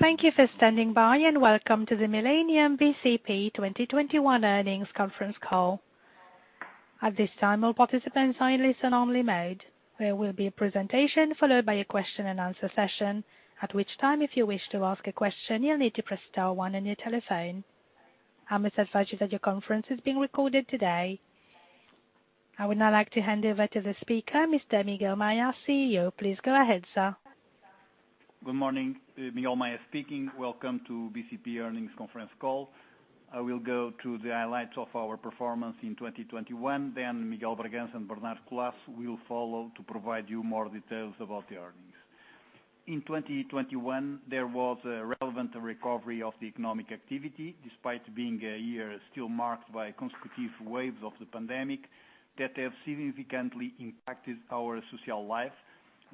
Thank you for standing by, and welcome to the Millennium bcp 2021 earnings conference call. At this time, all participants are in listen only mode. There will be a presentation, followed by a question and answer session. At which time, if you wish to ask a question, you'll need to press star one on your telephone. I must advise you that your conference is being recorded today. I would now like to hand over to the speaker, Mr. Miguel Maya, CEO. Please go ahead, sir. Good morning, Miguel Maya speaking. Welcome to BCP earnings conference call. I will go through the highlights of our performance in 2021, then Miguel de Bragança and Bernardo Collaço will follow to provide you more details about the earnings. In 2021, there was a relevant recovery of the economic activity despite being a year still marked by consecutive waves of the pandemic that have significantly impacted our social life,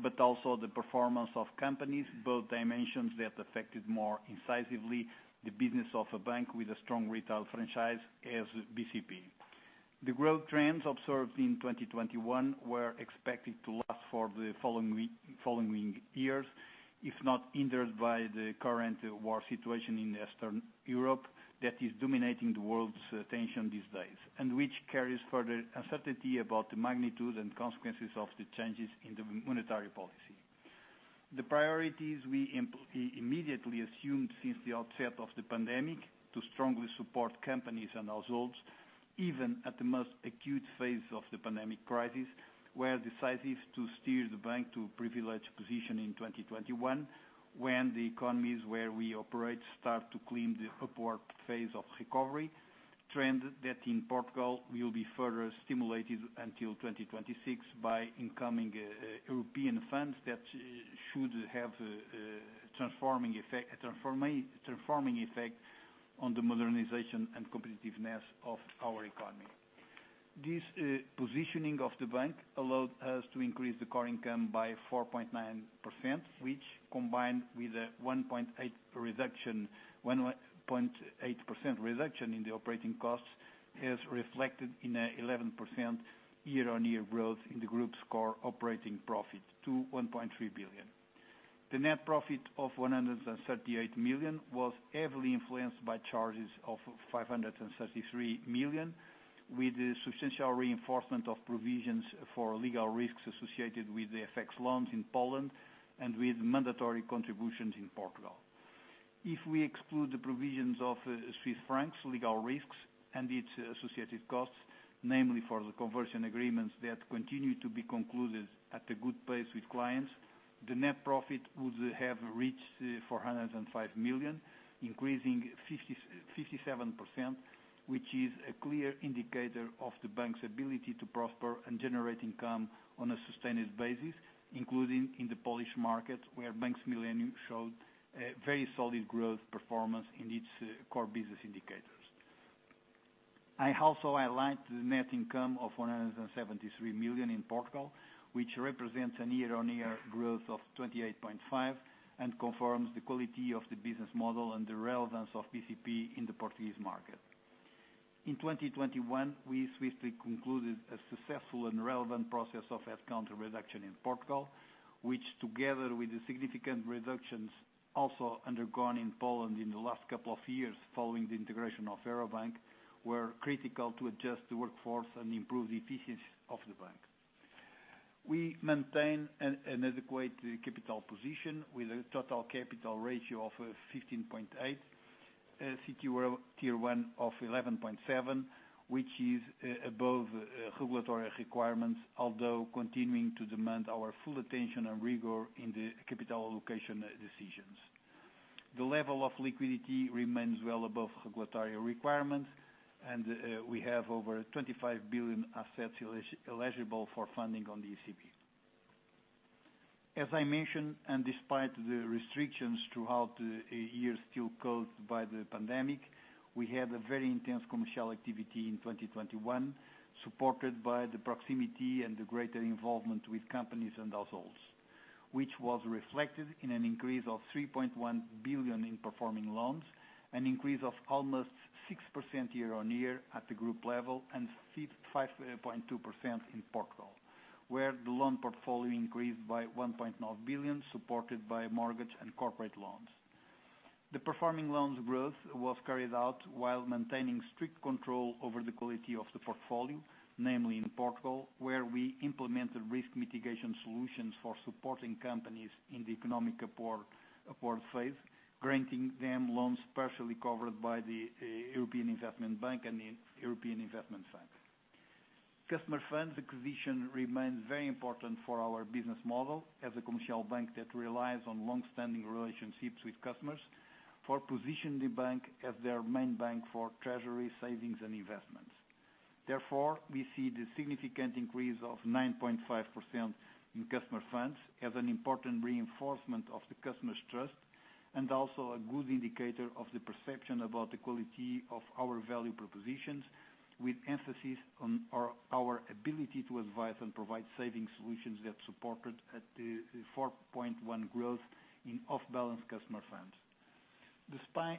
but also the performance of companies, both dimensions that affected more incisively the business of a bank with a strong retail franchise as BCP. The growth trends observed in 2021 were expected to last for the following years, if not hindered by the current war situation in Eastern Europe that is dominating the world's attention these days, and which carries further uncertainty about the magnitude and consequences of the changes in the monetary policy. The priorities we immediately assumed since the outset of the pandemic to strongly support companies and households, even at the most acute phase of the pandemic crisis, were decisive to steer the bank to a privileged position in 2021 when the economies where we operate start to climb the upward phase of recovery, trend that in Portugal will be further stimulated until 2026 by incoming European funds that should have a transforming effect on the modernization and competitiveness of our economy. This positioning of the bank allowed us to increase the core income by 4.9%, which combined with a 1.8% reduction in the operating costs, is reflected in a 11% year-on-year growth in the group's core operating profit to 1.3 billion. The net profit of 138 million was heavily influenced by charges of 533 million, with the substantial reinforcement of provisions for legal risks associated with the FX loans in Poland and with mandatory contributions in Portugal. If we exclude the provisions of Swiss francs legal risks and its associated costs, namely for the conversion agreements that continue to be concluded at a good pace with clients, the net profit would have reached 405 million, increasing 57%, which is a clear indicator of the bank's ability to prosper and generate income on a sustained basis, including in the Polish market, where Bank Millennium showed a very solid growth performance in its core business indicators. I also highlight the net income of 173 million in Portugal, which represents a year-on-year growth of 28.5% and confirms the quality of the business model and the relevance of BCP in the Portuguese market. In 2021, we swiftly concluded a successful and relevant process of headcount reduction in Portugal, which together with the significant reductions also undergone in Poland in the last couple of years following the integration of Euro Bank, were critical to adjust the workforce and improve the efficiency of the bank. We maintain an adequate capital position with a total capital ratio of 15.8%, CET1 of 11.7%, which is above regulatory requirements, although continuing to demand our full attention and rigor in the capital allocation decisions. The level of liquidity remains well above regulatory requirements, and we have over 25 billion assets eligible for funding on the ECB. As I mentioned, and despite the restrictions throughout the year still caused by the pandemic, we had a very intense commercial activity in 2021, supported by the proximity and the greater involvement with companies and households, which was reflected in an increase of 3.1 billion in performing loans, an increase of almost 6% year-on-year at the group level, and 5.2% in Portugal, where the loan portfolio increased by 1.9 billion, supported by mortgage and corporate loans. The performing loans growth was carried out while maintaining strict control over the quality of the portfolio, namely in Portugal, where we implemented risk mitigation solutions for supporting companies in the economic upward phase, granting them loans partially covered by the European Investment Bank and the European Investment Fund. Customer funds acquisition remains very important for our business model as a commercial bank that relies on long-standing relationships with customers for positioning the bank as their main bank for treasury savings and investments. Therefore, we see the significant increase of 9.5% in customer funds as an important reinforcement of the customer's trust, and also a good indicator of the perception about the quality of our value propositions, with emphasis on our ability to advise and provide saving solutions that supported the 4.1% growth in off-balance customer funds. Despite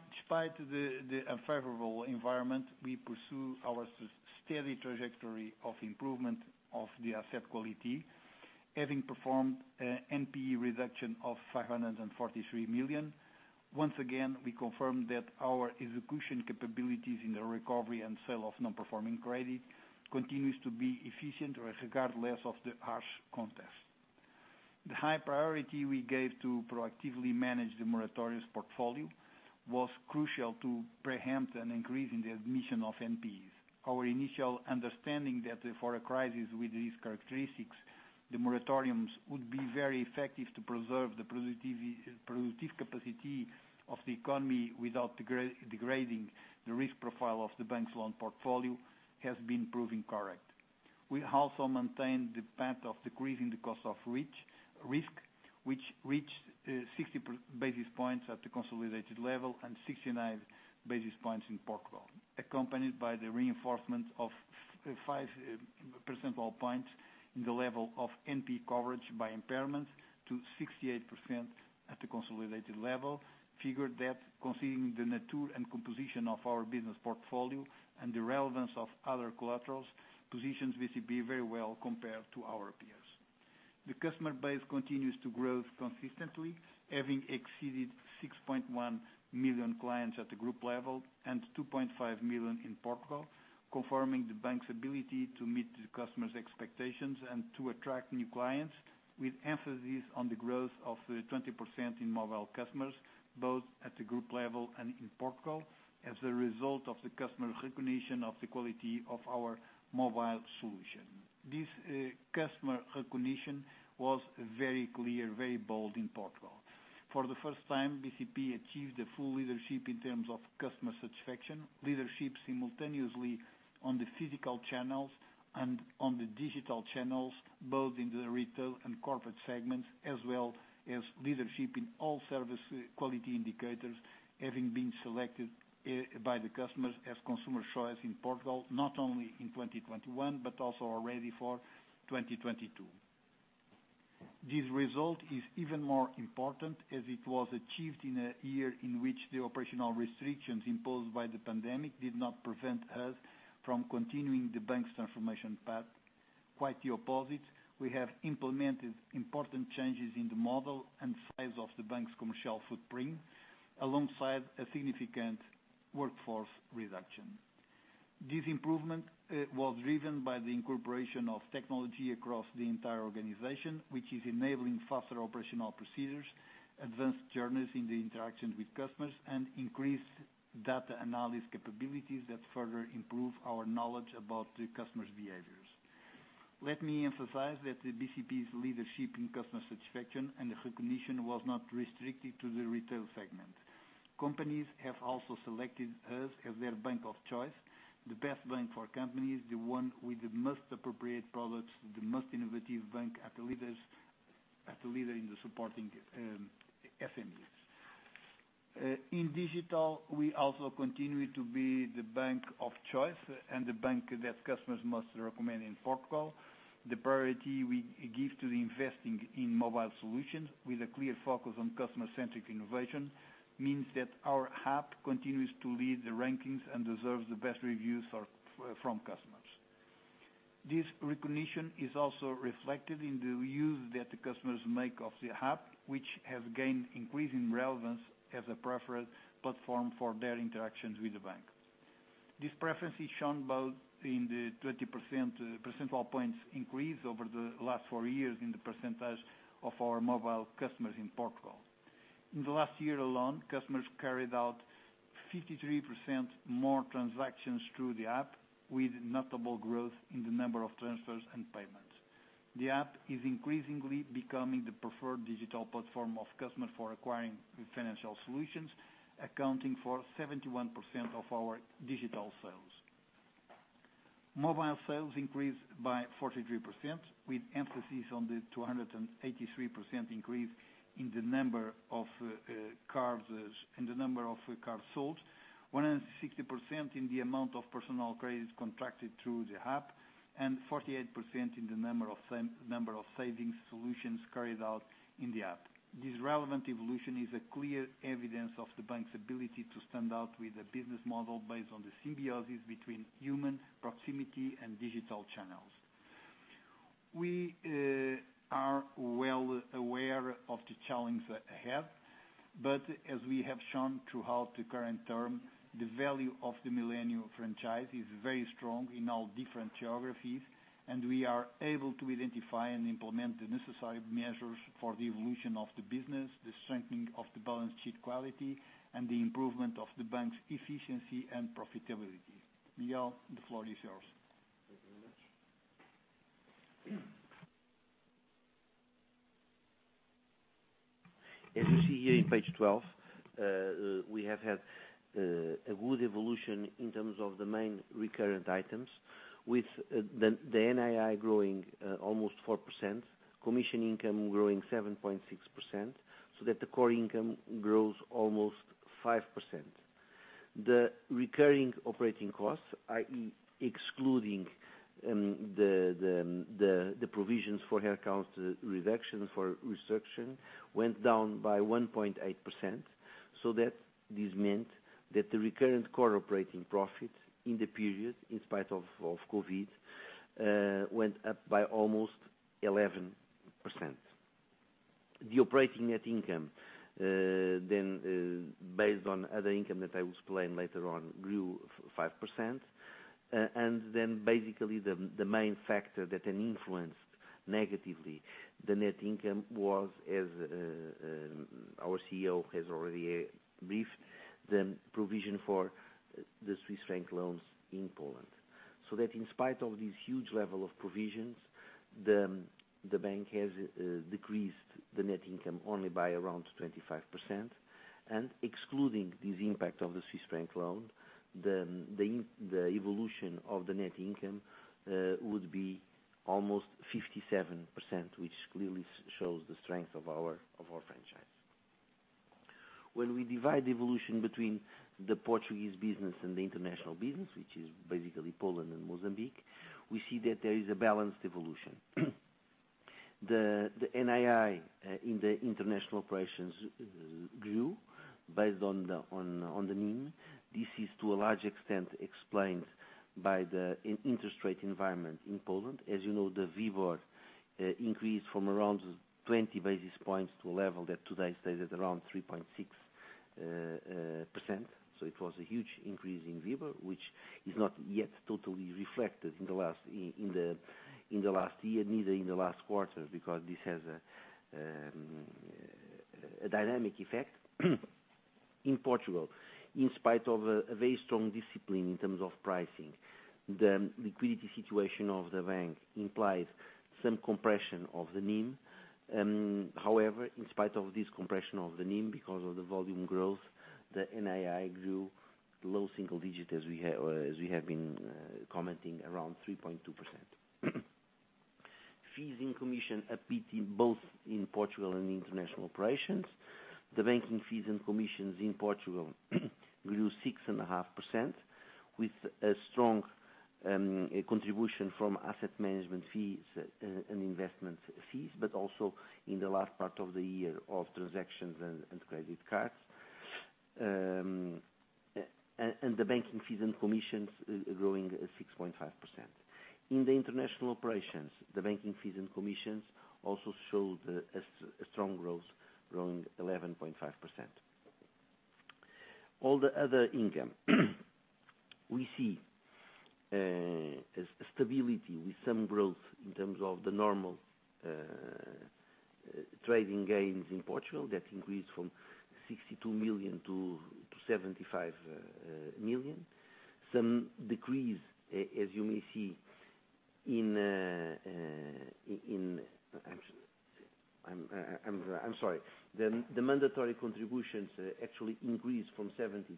the unfavorable environment, we pursue our steady trajectory of improvement of the asset quality, having performed a NPE reduction of 543 million. Once again, we confirm that our execution capabilities in the recovery and sale of non-performing credit continues to be efficient regardless of the harsh context. The high priority we gave to proactively manage the moratoriums portfolio was crucial to preempt an increase in the admission of NPEs. Our initial understanding that for a crisis with these characteristics, the moratoriums would be very effective to preserve the productive capacity of the economy without degrading the risk profile of the bank's loan portfolio has been proving correct. We also maintained the path of decreasing the cost of risk, which reached 60 basis points at the consolidated level and 69 basis points in Portugal, accompanied by the reinforcement of 5 percentage points in the level of NPE coverage by impairment to 68% at the consolidated level. This figures that considering the nature and composition of our business portfolio and the relevance of other collaterals, positions BCP very well compared to our peers. The customer base continues to grow consistently, having exceeded 6.1 million clients at the group level and 2.5 million in Portugal, confirming the bank's ability to meet the customers' expectations and to attract new clients with emphasis on the growth of 20% in mobile customers, both at the group level and in Portugal as a result of the customer recognition of the quality of our mobile solution. This, customer recognition was very clear, very bold in Portugal. For the first time, BCP achieved the full leadership in terms of customer satisfaction, leadership simultaneously on the physical channels and on the digital channels, both in the retail and corporate segments, as well as leadership in all service, quality indicators, having been selected, by the customers as Consumer's Choice in Portugal, not only in 2021 but also already for 2022. This result is even more important as it was achieved in a year in which the operational restrictions imposed by the pandemic did not prevent us from continuing the bank's transformation path. Quite the opposite, we have implemented important changes in the model and size of the bank's commercial footprint alongside a significant workforce reduction. This improvement was driven by the incorporation of technology across the entire organization, which is enabling faster operational procedures, advanced journeys in the interactions with customers, and increased data analysis capabilities that further improve our knowledge about the customers' behaviors. Let me emphasize that the BCP's leadership in customer satisfaction and recognition was not restricted to the retail segment. Companies have also selected us as their bank of choice, the best bank for companies, the one with the most appropriate products, the most innovative bank as a leader in supporting SMEs. In digital, we also continue to be the bank of choice and the bank that customers most recommend in Portugal. The priority we give to investing in mobile solutions with a clear focus on customer-centric innovation means that our app continues to lead the rankings and deserves the best reviews from customers. This recognition is also reflected in the use that the customers make of the app, which has gained increasing relevance as a preferred platform for their interactions with the bank. This preference is shown both in the 20 percentage points increase over the last four years in the percentage of our mobile customers in Portugal. In the last year alone, customers carried out 53% more transactions through the app with notable growth in the number of transfers and payments. The app is increasingly becoming the preferred digital platform of customers for acquiring financial solutions, accounting for 71% of our digital sales. Mobile sales increased by 43% with emphasis on the 283% increase in the number of cards sold, 160% in the amount of personal credits contracted through the app, and 48% in the number of savings solutions carried out in the app. This relevant evolution is a clear evidence of the bank's ability to stand out with a business model based on the symbiosis between human proximity and digital channels. We are well aware of the challenge ahead, but as we have shown throughout the current term, the value of the Millennium franchise is very strong in all different geographies, and we are able to identify and implement the necessary measures for the evolution of the business, the strengthening of the balance sheet quality, and the improvement of the bank's efficiency and profitability. Miguel de Bragança, the floor is yours. Thank you very much. As you see here in page 12, we have had a good evolution in terms of the main recurring items with the NII growing almost 4%, commission income growing 7.6%, so that the core income grows almost 5%. The recurring operating costs, i.e. excluding the provisions for headcount reduction for restructuring, went down by 1.8%, so that this meant that the recurring core operating profit in the period, in spite of COVID, went up by almost 11%. The operating net income, then, based on other income that I will explain later on, grew 5%. Basically the main factor that then influenced negatively the net income was, as our CEO has already briefed, the provision for the Swiss franc loans in Poland. That in spite of this huge level of provisions, the bank has decreased the net income only by around 25%. Excluding this impact of the Swiss franc loan, the evolution of the net income would be almost 57%, which clearly shows the strength of our franchise. When we divide the evolution between the Portuguese business and the international business, which is basically Poland and Mozambique, we see that there is a balanced evolution. The NII in the international operations grew based on the NIM. This is to a large extent explained by the interest rate environment in Poland. As you know, the WIBOR increased from around 20 basis points to a level that today stays at around 3.6%. It was a huge increase in WIBOR, which is not yet totally reflected in the last year, neither in the last quarter because this has a dynamic effect. In Portugal, in spite of a very strong discipline in terms of pricing, the liquidity situation of the bank implies some compression of the NIM. However, in spite of this compression of the NIM, because of the volume growth, the NII grew low single digit, as we have been commenting, around 3.2%. Fees and commission are beating both in Portugal and international operations. The banking fees and commissions in Portugal grew 6.5% with a strong contribution from asset management fees and investment fees, but also in the last part of the year of transactions and credit cards. The banking fees and commissions growing 6.5%. In the international operations, the banking fees and commissions also showed a strong growth, growing 11.5%. All the other income we see a stability with some growth in terms of the normal trading gains in Portugal that increased from 62 million-75 million. Some decrease, as you may see, I'm sorry, the mandatory contributions actually increased from 70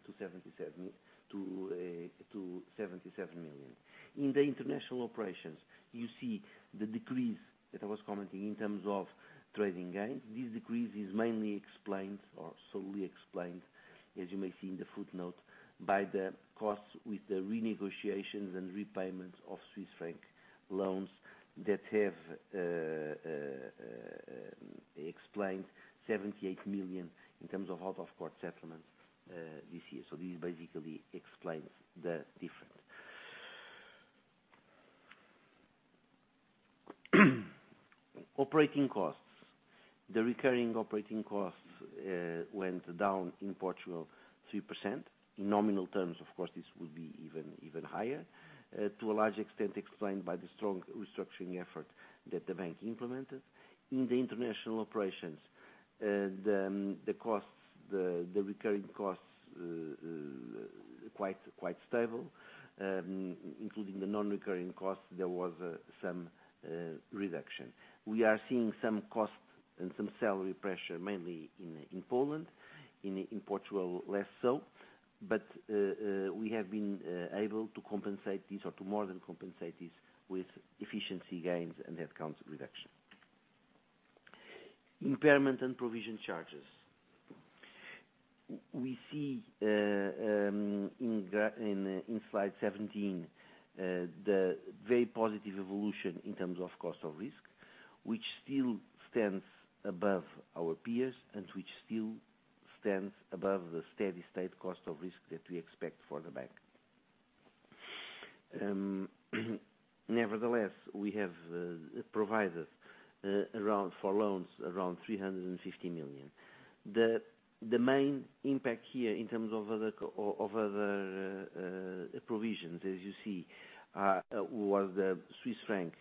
million-77 million. In the international operations, you see the decrease that I was commenting in terms of trading gains. This decrease is mainly explained or solely explained, as you may see in the footnote, by the costs with the renegotiations and repayments of Swiss franc loans that have explained 78 million in terms of out-of-court settlements, this year. This basically explains the difference. Operating costs. The recurring operating costs went down in Portugal 3%. In nominal terms, of course, this will be even higher, to a large extent explained by the strong restructuring effort that the bank implemented. In the international operations, the costs, the recurring costs quite stable. Including the non-recurring costs, there was some reduction. We are seeing some costs and some salary pressure, mainly in Poland. In Portugal, less so. We have been able to compensate this or to more than compensate this with efficiency gains and headcount reduction. Impairment and provision charges. We see in slide 17 the very positive evolution in terms of cost of risk, which still stands above our peers and which still stands above the steady state cost of risk that we expect for the bank. Nevertheless, we have provided around 350 million for loans. The main impact here in terms of other provisions, as you see, was the Swiss franc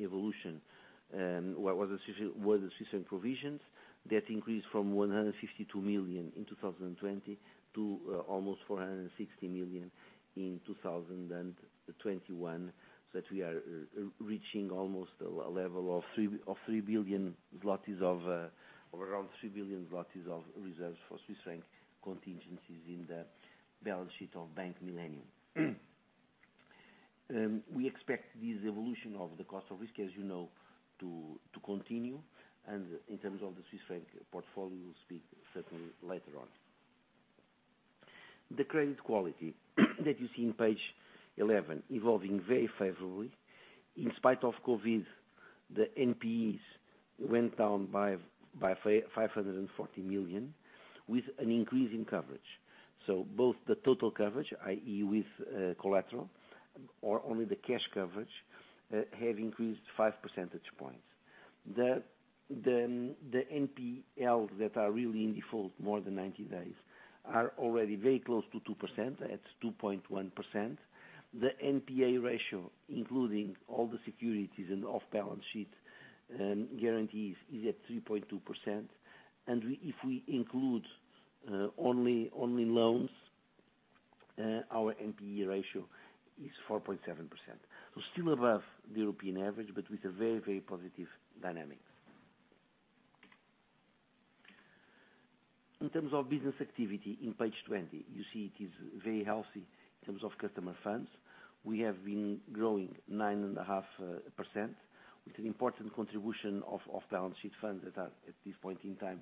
evolution, the Swiss franc provisions that increased from 152 million in 2020 to almost 460 million in 2021, so that we are reaching almost a level of 3 billion zlotys of reserves for Swiss franc contingencies in the balance sheet of Bank Millennium. We expect this evolution of the cost of risk, as you know, to continue. In terms of the Swiss franc portfolio, we'll speak certainly later on. The credit quality that you see in page 11 evolving very favorably. In spite of COVID, the NPEs went down by 500 million, with an increase in coverage. Both the total coverage, i.e., with collateral or only the cash coverage, have increased 5 percentage points. The NPL that are really in default more than 90 days are already very close to 2%, at 2.1%. The NPA ratio, including all the securities and off-balance sheet guarantees, is at 3.2%. If we include only loans, our NPE ratio is 4.7%. Still above the European average, but with a very, very positive dynamic. In terms of business activity, in page 20, you see it is very healthy in terms of customer funds. We have been growing 9.5% with an important contribution of off-balance sheet funds that are, at this point in time,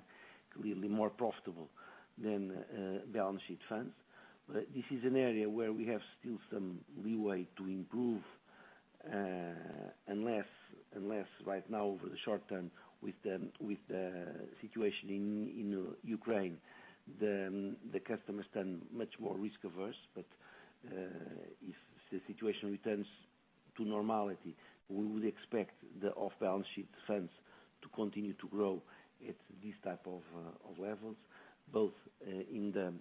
clearly more profitable than balance sheet funds. This is an area where we have still some leeway to improve, unless right now, over the short term with the situation in Ukraine, the customers turn much more risk averse. If the situation returns to normality, we would expect the off-balance sheet funds to continue to grow at this type of levels, both in the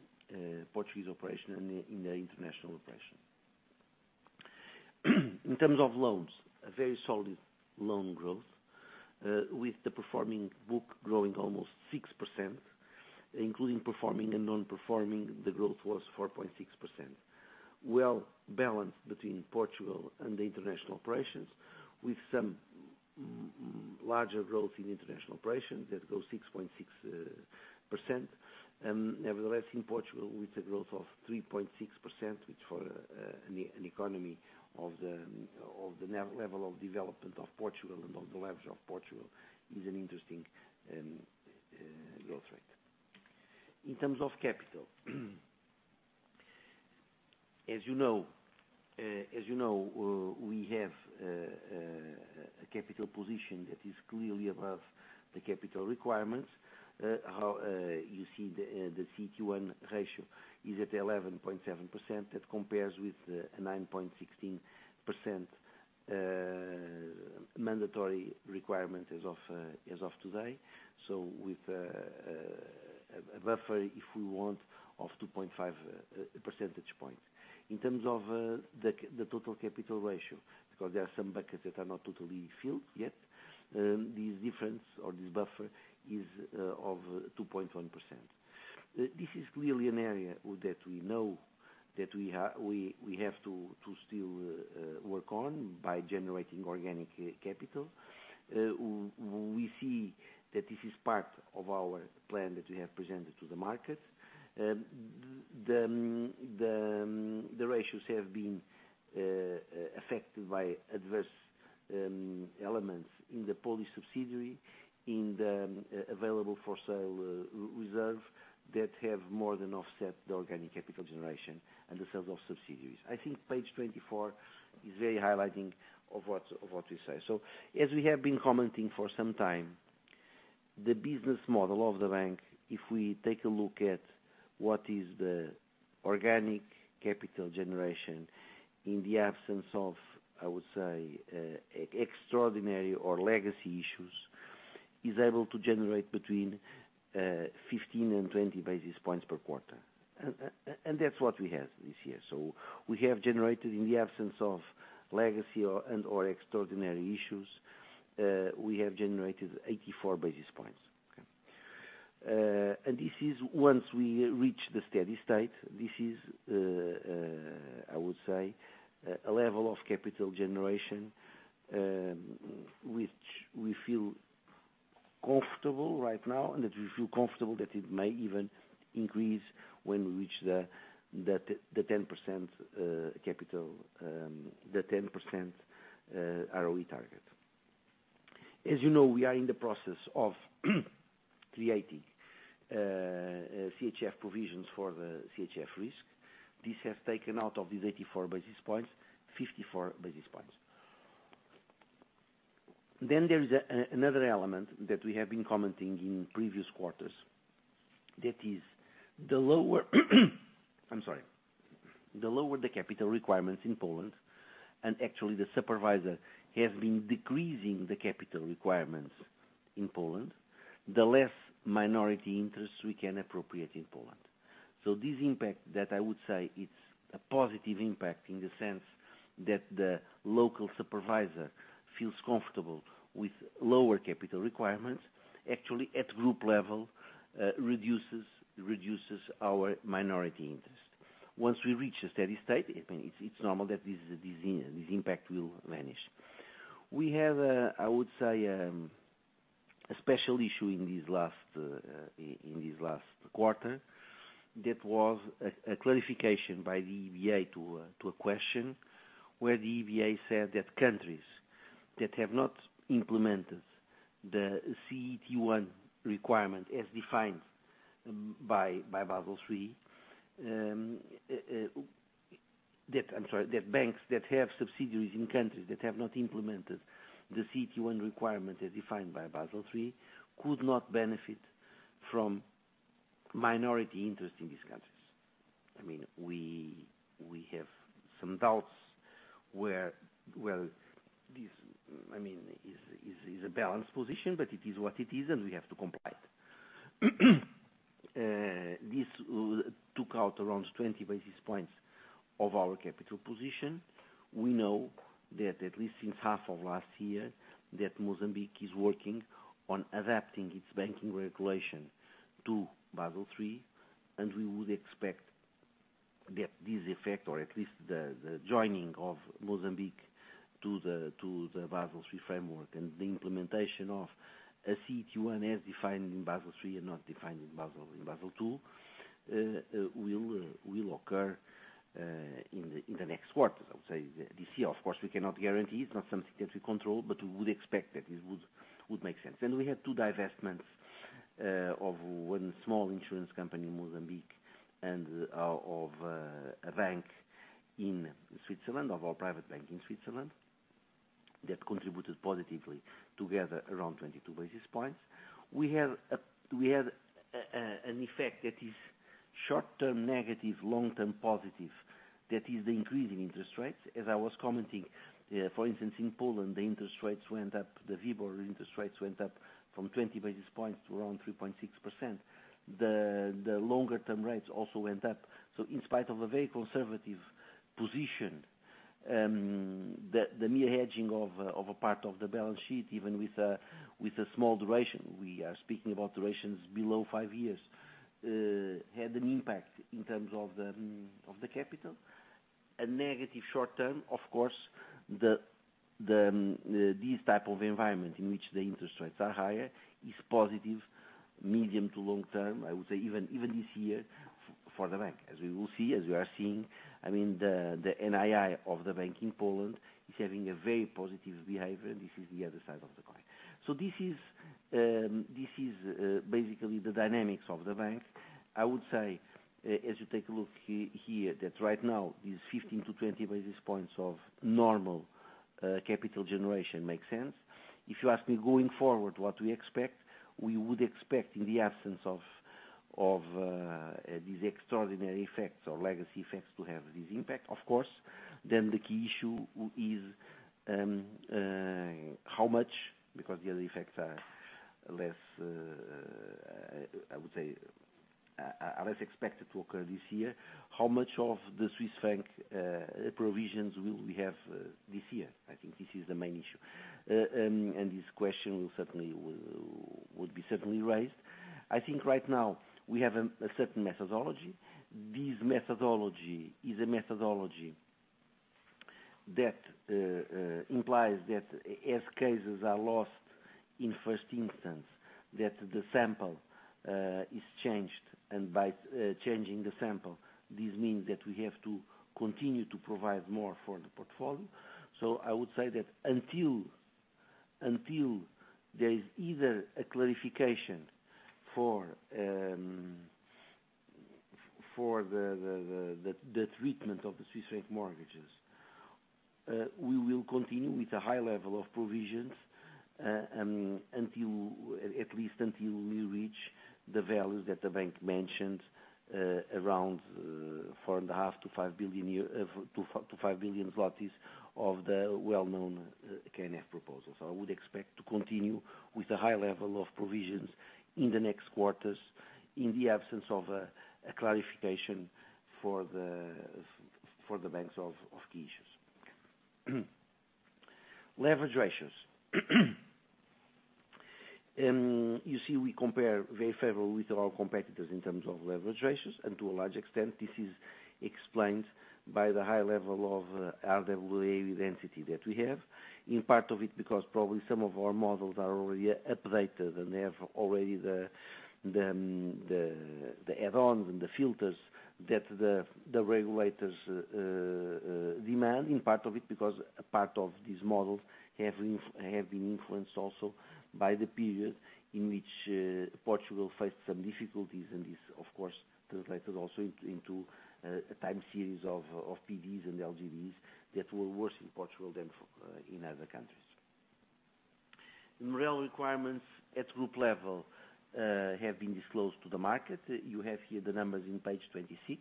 Portuguese operation and in the international operation. In terms of loans, a very solid loan growth with the performing book growing almost 6%, including performing and non-performing, the growth was 4.6%. Well balanced between Portugal and the international operations, with some larger growth in international operations that goes 6.6%. Nevertheless, in Portugal, with a growth of 3.6%, which for an economy of the level of development of Portugal and of the levels of Portugal is an interesting growth rate. In terms of capital, as you know, we have a capital position that is clearly above the capital requirements. As you see the CET1 ratio is at 11.7%. That compares with a 9.16% mandatory requirement as of today. With a buffer, if we want, of 2.5 percentage point. In terms of the total capital ratio, because there are some buckets that are not totally filled yet, this difference or this buffer is of 2.1%. This is clearly an area that we know that we have to still work on by generating organic capital. We see that this is part of our plan that we have presented to the market. The ratios have been affected by adverse elements in the Polish subsidiary, in the available for sale reserve that have more than offset the organic capital generation and the sales of subsidiaries. I think page 24 is very highlighting of what we say. As we have been commenting for some time, the business model of the bank, if we take a look at what is the organic capital generation in the absence of, I would say, extraordinary or legacy issues, is able to generate between 15 and 20 basis points per quarter. That's what we have this year. We have generated, in the absence of legacy or extraordinary issues, 84 basis points. This is once we reach the steady state, this is, I would say, a level of capital generation, which we feel comfortable right now, and that we feel comfortable that it may even increase when we reach the 10% capital, the 10% ROE target. As you know, we are in the process of creating CHF provisions for the CHF risk. This has taken out of these 84 basis points, 54 basis points. There is another element that we have been commenting in previous quarters. That is the lower, I'm sorry, the lower the capital requirements in Poland, and actually the supervisor has been decreasing the capital requirements in Poland, the less minority interests we can appropriate in Poland. This impact that I would say it's a positive impact in the sense that the local supervisor feels comfortable with lower capital requirements, actually at group level, reduces our minority interest. Once we reach a steady state, I mean, it's normal that this impact will vanish. We have a special issue in this last quarter that was a clarification by the EBA to a question, where the EBA said that banks that have subsidiaries in countries that have not implemented the CET1 requirement as defined by Basel III could not benefit from minority interest in these countries. I mean, we have some doubts where this I mean is a balanced position, but it is what it is, and we have to comply. This took out around 20 basis points of our capital position. We know that at least in half of last year, that Mozambique is working on adapting its banking regulation to Basel III, and we would expect that this effect, or at least the joining of Mozambique to the Basel III framework and the implementation of a CET1 as defined in Basel III and not defined in Basel II, will occur in the next quarters. I would say this year, of course, we cannot guarantee. It's not something that we control, but we would expect that it would make sense. We have two divestments of one small insurance company in Mozambique and of a bank in Switzerland, of our private bank in Switzerland, that contributed positively together around 22 basis points. We had an effect that is short-term negative, long-term positive. That is the increase in interest rates. As I was commenting, for instance, in Poland, the interest rates went up, the WIBOR interest rates went up from 20 basis points to around 3.6%. The longer-term rates also went up, so in spite of a very conservative position, the near hedging of a part of the balance sheet, even with a small duration, we are speaking about durations below five years, had an impact in terms of the capital. A negative short-term, of course, this type of environment in which the interest rates are higher is positive medium- to long-term, I would say even this year for the bank. As we will see, as we are seeing, I mean the NII of the bank in Poland is having a very positive behavior. This is the other side of the coin. This is basically the dynamics of the bank. I would say as you take a look here, that right now these 15-20 basis points of normal capital generation makes sense. If you ask me going forward what we expect, we would expect in the absence of these extraordinary effects or legacy effects to have this impact, of course. The key issue is how much, because the other effects are less, I would say, are less expected to occur this year. How much of the Swiss franc provisions will we have this year? I think this is the main issue. This question will certainly be raised. I think right now we have a certain methodology. This methodology is a methodology that implies that as cases are lost in first instance, the sample is changed. By changing the sample, this means that we have to continue to provision more for the portfolio. I would say that until there is either a clarification for the treatment of the Swiss franc mortgages, we will continue with a high level of provisions, until at least we reach the values that the bank mentioned, around 4.5 billion-5 billion zlotys of the well-known KNF proposal. I would expect to continue with a high level of provisions in the next quarters in the absence of a clarification for the banks of key issues, leverage ratios. You see we compare very favorably with our competitors in terms of leverage ratios, and to a large extent, this is explained by the high level of RWA density that we have, in part because probably some of our models are already updated, and they have already the add-ons and the filters that the regulators demand, in part because a part of these models have been influenced also by the period in which Portugal faced some difficulties, and this of course translated also into a time series of PDs and LGDs that were worse in Portugal than in other countries. MREL requirements at group level have been disclosed to the market. You have here the numbers in page 26.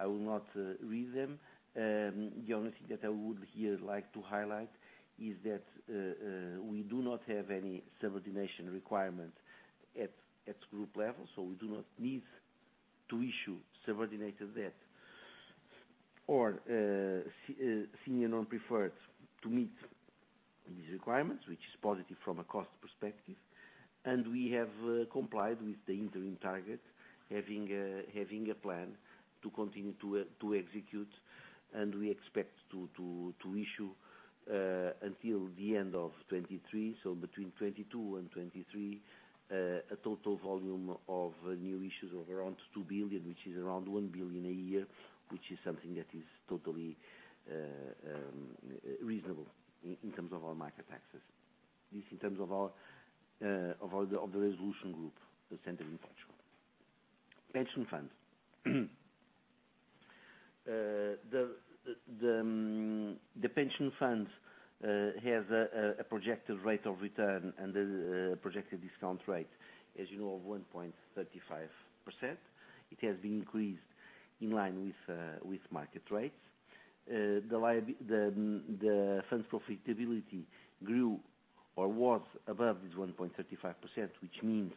I will not read them. The only thing that I would here like to highlight is that we do not have any subordination requirement at group level, so we do not need to issue subordinated debt or senior non-preferred to meet these requirements, which is positive from a cost perspective. We have complied with the interim target, having a plan to continue to execute. We expect to issue until the end of 2023, so between 2022 and 2023 a total volume of new issues of around 2 billion, which is around 1 billion a year, which is something that is totally reasonable in terms of our market access. This in terms of our resolution group, the center in Portugal. Pension funds. The pension funds has a projected rate of return and a projected discount rate, as you know, of 1.35%. It has been increased in line with market rates. The funds profitability grew or was above this 1.35%, which means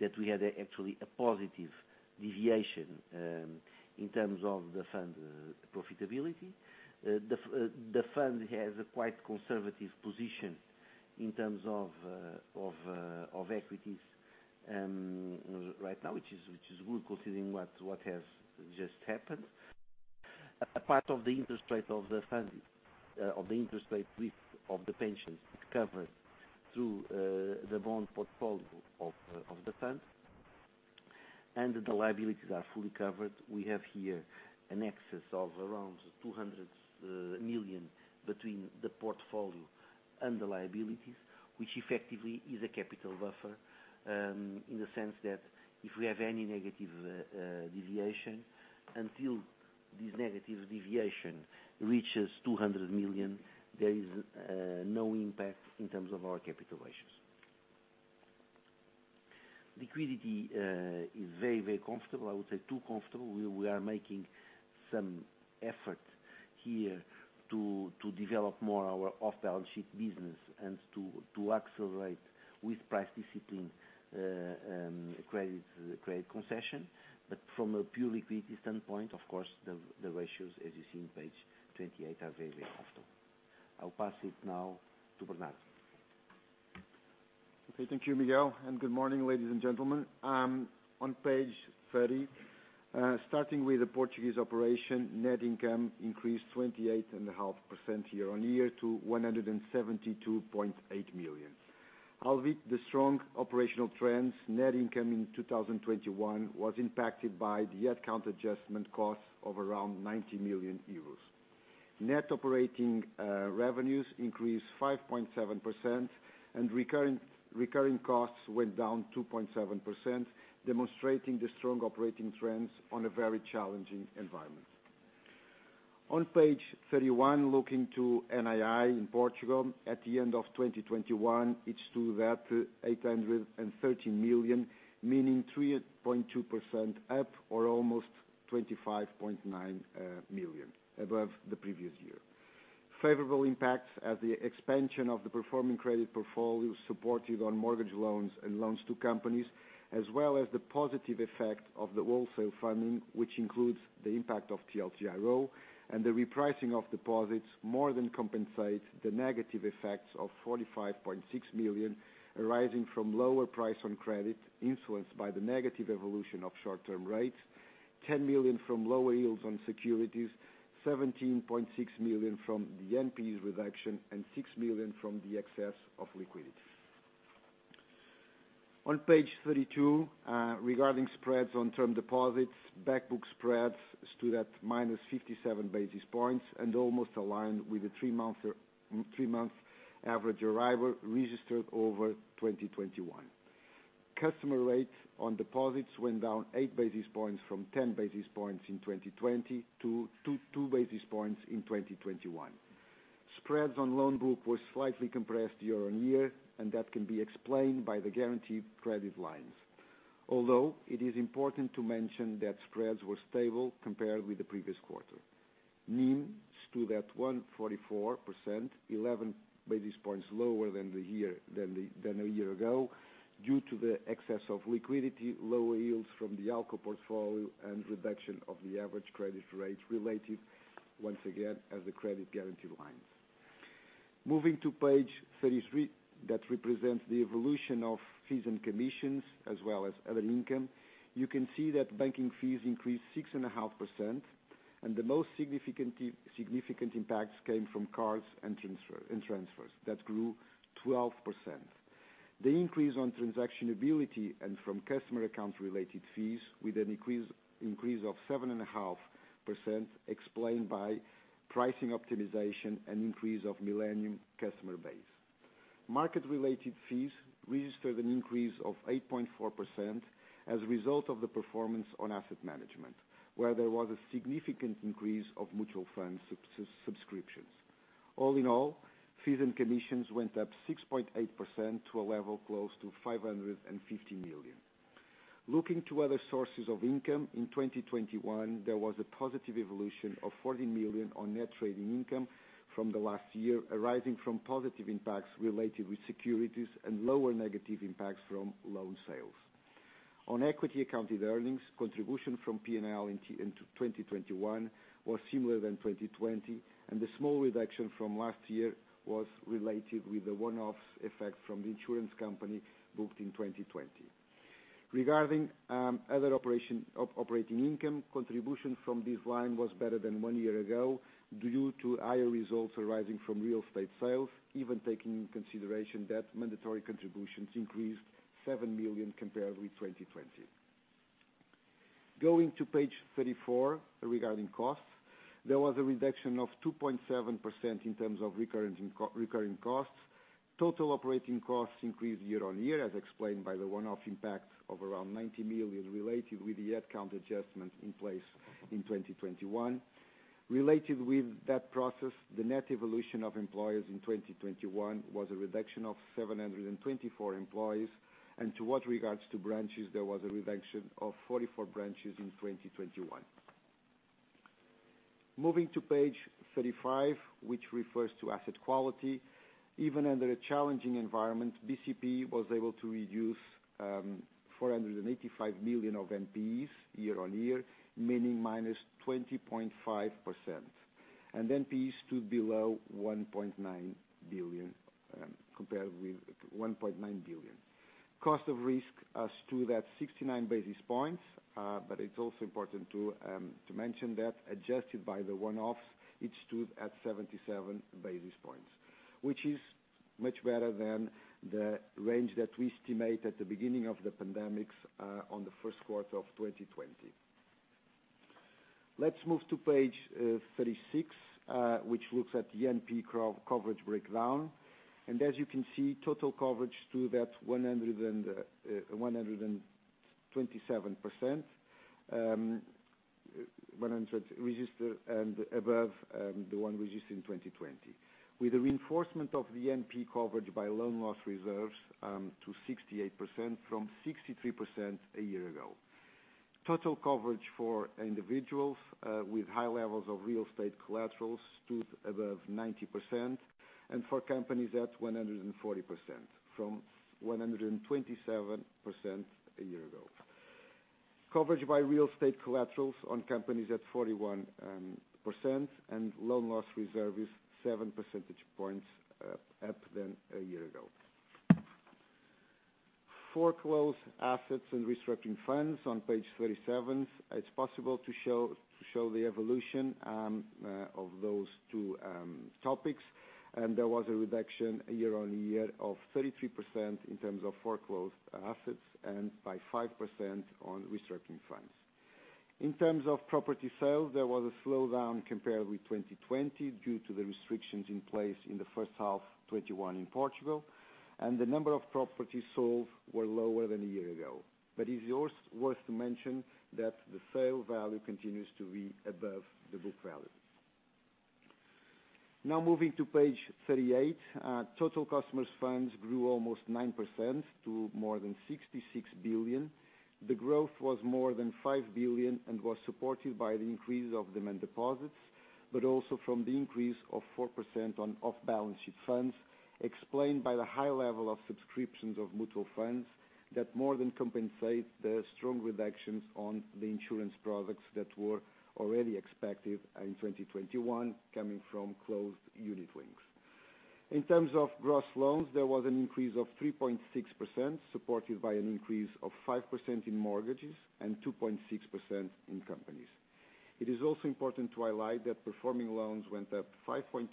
that we had actually a positive deviation in terms of the fund profitability. The fund has a quite conservative position in terms of equities right now, which is good considering what has just happened. A part of the interest rate of the fund, of the pensions covered through the bond portfolio of the fund, and the liabilities are fully covered. We have here an excess of around 200 million between the portfolio and the liabilities, which effectively is a capital buffer, in the sense that if we have any negative deviation, until this negative deviation reaches 200 million, there is no impact in terms of our capital ratios. Liquidity is very, very comfortable. I would say too comfortable. We are making some effort here to develop more our off-balance sheet business and to accelerate with price discipline, credit concession. From a pure liquidity standpoint, of course, the ratios, as you see on page 28, are very, very comfortable. I'll pass it now to Bernardo. Okay, thank you, Miguel, and good morning, ladies and gentlemen. On page 30, starting with the Portuguese operation, net income increased 28.5% year-on-year to 172.8 million. Albeit the strong operational trends, net income in 2021 was impacted by the head count adjustment costs of around 90 million euros. Net operating revenues increased 5.7% and recurring costs went down 2.7%, demonstrating the strong operating trends on a very challenging environment. On page 31, looking to NII in Portugal, at the end of 2021, it stood at 830 million, meaning 3.2% up or almost 25.9 million above the previous year. Favorable impacts as the expansion of the performing credit portfolio supported on mortgage loans and loans to companies, as well as the positive effect of the wholesale funding, which includes the impact of TLTRO and the repricing of deposits more than compensate the negative effects of 45.6 million arising from lower price on credit influenced by the negative evolution of short-term rates, 10 million from lower yields on securities, 17.6 million from the NPEs reduction, and 6 million from the excess of liquidity. On page 32, regarding spreads on term deposits, back-book spreads stood at -57 basis points and almost aligned with the three-month average Euribor registered over 2021. Customer rates on deposits went down 8 basis points from 10 basis points in 2020 to 2 basis points in 2021. Spreads on loan book was slightly compressed year on year, and that can be explained by the guaranteed credit lines. Although, it is important to mention that spreads were stable compared with the previous quarter. NIM stood at 1.44%, eleven basis points lower than a year ago, due to the excess of liquidity, lower yields from the ALCO portfolio and reduction of the average credit rates related once again as the credit guarantee lines. Moving to page 33, that represents the evolution of fees and commissions as well as other income. You can see that banking fees increased 6.5%, and the most significant impacts came from cards and transfers that grew 12%. The increase in transactional activity and from customer account-related fees with an increase of 7.5% explained by pricing optimization and increase of Millennium customer base. Market-related fees registered an increase of 8.4% as a result of the performance on asset management, where there was a significant increase of mutual fund subscriptions. All in all, fees and commissions went up 6.8% to a level close to 550 million. Looking to other sources of income, in 2021, there was a positive evolution of 40 million on net trading income from the last year, arising from positive impacts related with securities and lower negative impacts from loan sales. On equity accounted earnings, contribution from P&L in 2021 was similar than 2020, and the small reduction from last year was related with the one-offs effect from the insurance company booked in 2020. Regarding other operating income, contribution from this line was better than one year ago due to higher results arising from real estate sales, even taking into consideration that mandatory contributions increased 7 million compared with 2020. Going to page 34, regarding costs, there was a reduction of 2.7% in terms of recurrent and co-recurring costs. Total operating costs increased year-on-year as explained by the one-off impact of around 90 million related with the head count adjustments in place in 2021. Related with that process, the net evolution of employees in 2021 was a reduction of 724 employees, and as regards branches, there was a reduction of 44 branches in 2021. Moving to page 35, which refers to asset quality. Even under a challenging environment, BCP was able to reduce 485 million of NPEs year-on-year, meaning -20.5%. NPE stood below 1.9 billion compared with 1.9 billion. Cost of risk was 69 basis points, but it's also important to mention that adjusted by the one-offs, it stood at 77 basis points, which is much better than the range that we estimate at the beginning of the pandemic on the first quarter of 2020. Let's move to page 36, which looks at the NPE coverage breakdown. As you can see, total coverage to that 127%, 100 registered and above, the one registered in 2020. With a reinforcement of the NPE coverage by loan loss reserves to 68% from 63% a year ago. Total coverage for individuals with high levels of real estate collaterals stood above 90%, and for companies at 140% from 127% a year ago. Coverage by real estate collaterals on companies at 41% and loan loss reserve is 7 percentage points up than a year ago. Foreclosed assets and restructuring funds on page 37, it's possible to show the evolution of those two topics. There was a reduction year on year of 33% in terms of foreclosed assets and by 5% on restructuring funds. In terms of property sales, there was a slowdown compared with 2020 due to the restrictions in place in the first half of 2021 in Portugal, and the number of properties sold were lower than a year ago. It is also worth to mention that the sale value continues to be above the book value. Now moving to page 38, total customers funds grew almost 9% to more than 66 billion. The growth was more than 5 billion and was supported by the increase of demand deposits, but also from the increase of 4% on off-balance sheet funds, explained by the high level of subscriptions of mutual funds that more than compensate the strong reductions on the insurance products that were already expected in 2021 coming from closed unit links. In terms of gross loans, there was an increase of 3.6%, supported by an increase of 5% in mortgages and 2.6% in companies. It is also important to highlight that performing loans went up 5.2%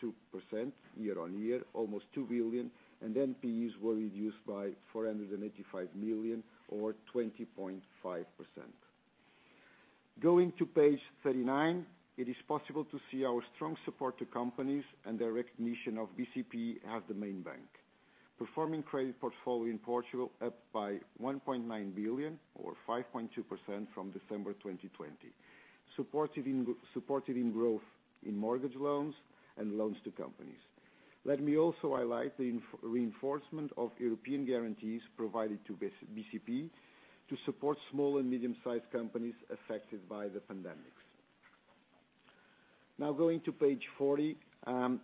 year-on-year, almost 2 billion, and NPEs were reduced by 485 million or 20.5%. Going to page 39, it is possible to see our strong support to companies and their recognition of BCP as the main bank. Performing credit portfolio in Portugal up by 1.9 billion or 5.2% from December 2020, supported in growth in mortgage loans and loans to companies. Let me also highlight the reinforcement of European guarantees provided to BCP to support small and medium-sized companies affected by the pandemic. Now going to page 40,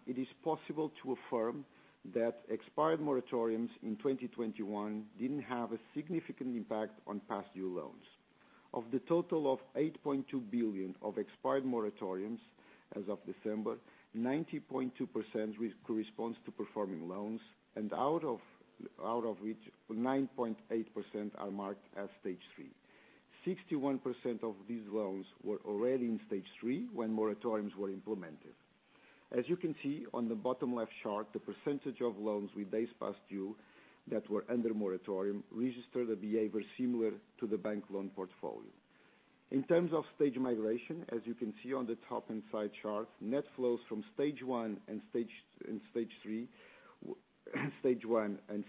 it is possible to affirm that expired moratoriums in 2021 didn't have a significant impact on past due loans. Of the total of 8.2 billion of expired moratoriums as of December, 90.2% which corresponds to performing loans, and out of which 9.8% are marked as Stage 3. 61% of these loans were already in Stage 3 when moratoriums were implemented. As you can see on the bottom left chart, the percentage of loans with days past due that were under moratorium registered a behavior similar to the bank loan portfolio. In terms of stage migration, as you can see on the top inside chart, net flows from Stage 1 and Stage 2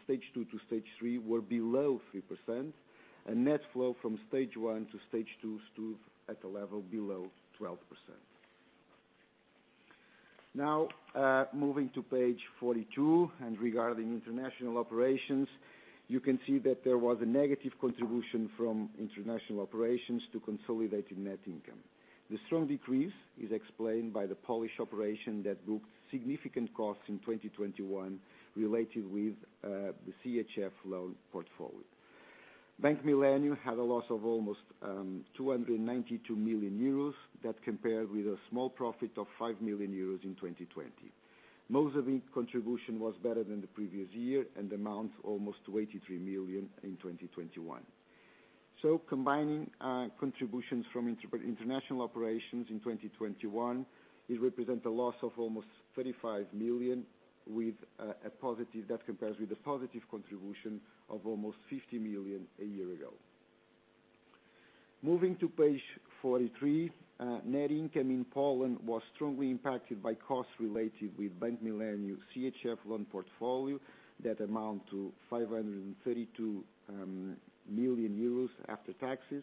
to Stage 3 were below 3%, and net flow from Stage 1 to Stage 2 stood at a level below 12%. Now, moving to page 42 and regarding international operations, you can see that there was a negative contribution from international operations to consolidated net income. The strong decrease is explained by the Polish operation that booked significant costs in 2021 related with the CHF loan portfolio. Bank Millennium had a loss of almost 292 million euros that compared with a small profit of 5 million euros in 2020. Mozambique's contribution was better than the previous year and amount almost to 83 million in 2021. Combining contributions from international operations in 2021, it represent a loss of almost 35 million with a positive that compares with a positive contribution of almost 50 million a year ago. Moving to page 43, net income in Poland was strongly impacted by costs related with Bank Millennium CHF loan portfolio that amount to 532 million euros after taxes.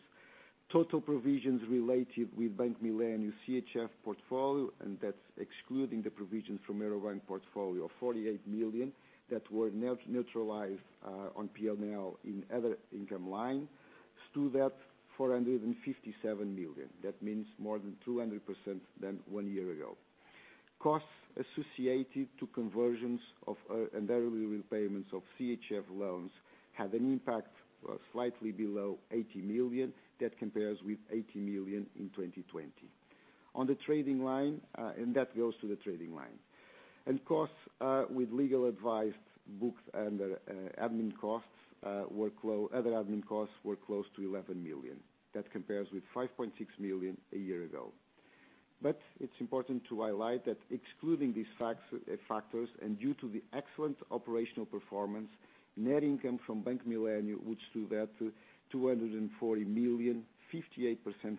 Total provisions related with Bank Millennium CHF portfolio, and that's excluding the provisions from Euro Bank portfolio of 48 million that were neutralized on P&L in other income line, stood at 457 million. That means more than 200% than one year ago. Costs associated to conversions of and early repayments of CHF loans had an impact slightly below 80 million. That compares with 80 million in 2020. On the trading line, and that goes to the trading line. Costs with legal advice booked under admin costs, other admin costs were close to 11 million. That compares with 5.6 million a year ago. It's important to highlight that excluding these factors and due to the excellent operational performance, net income from Bank Millennium, which stood at 240 million, 58%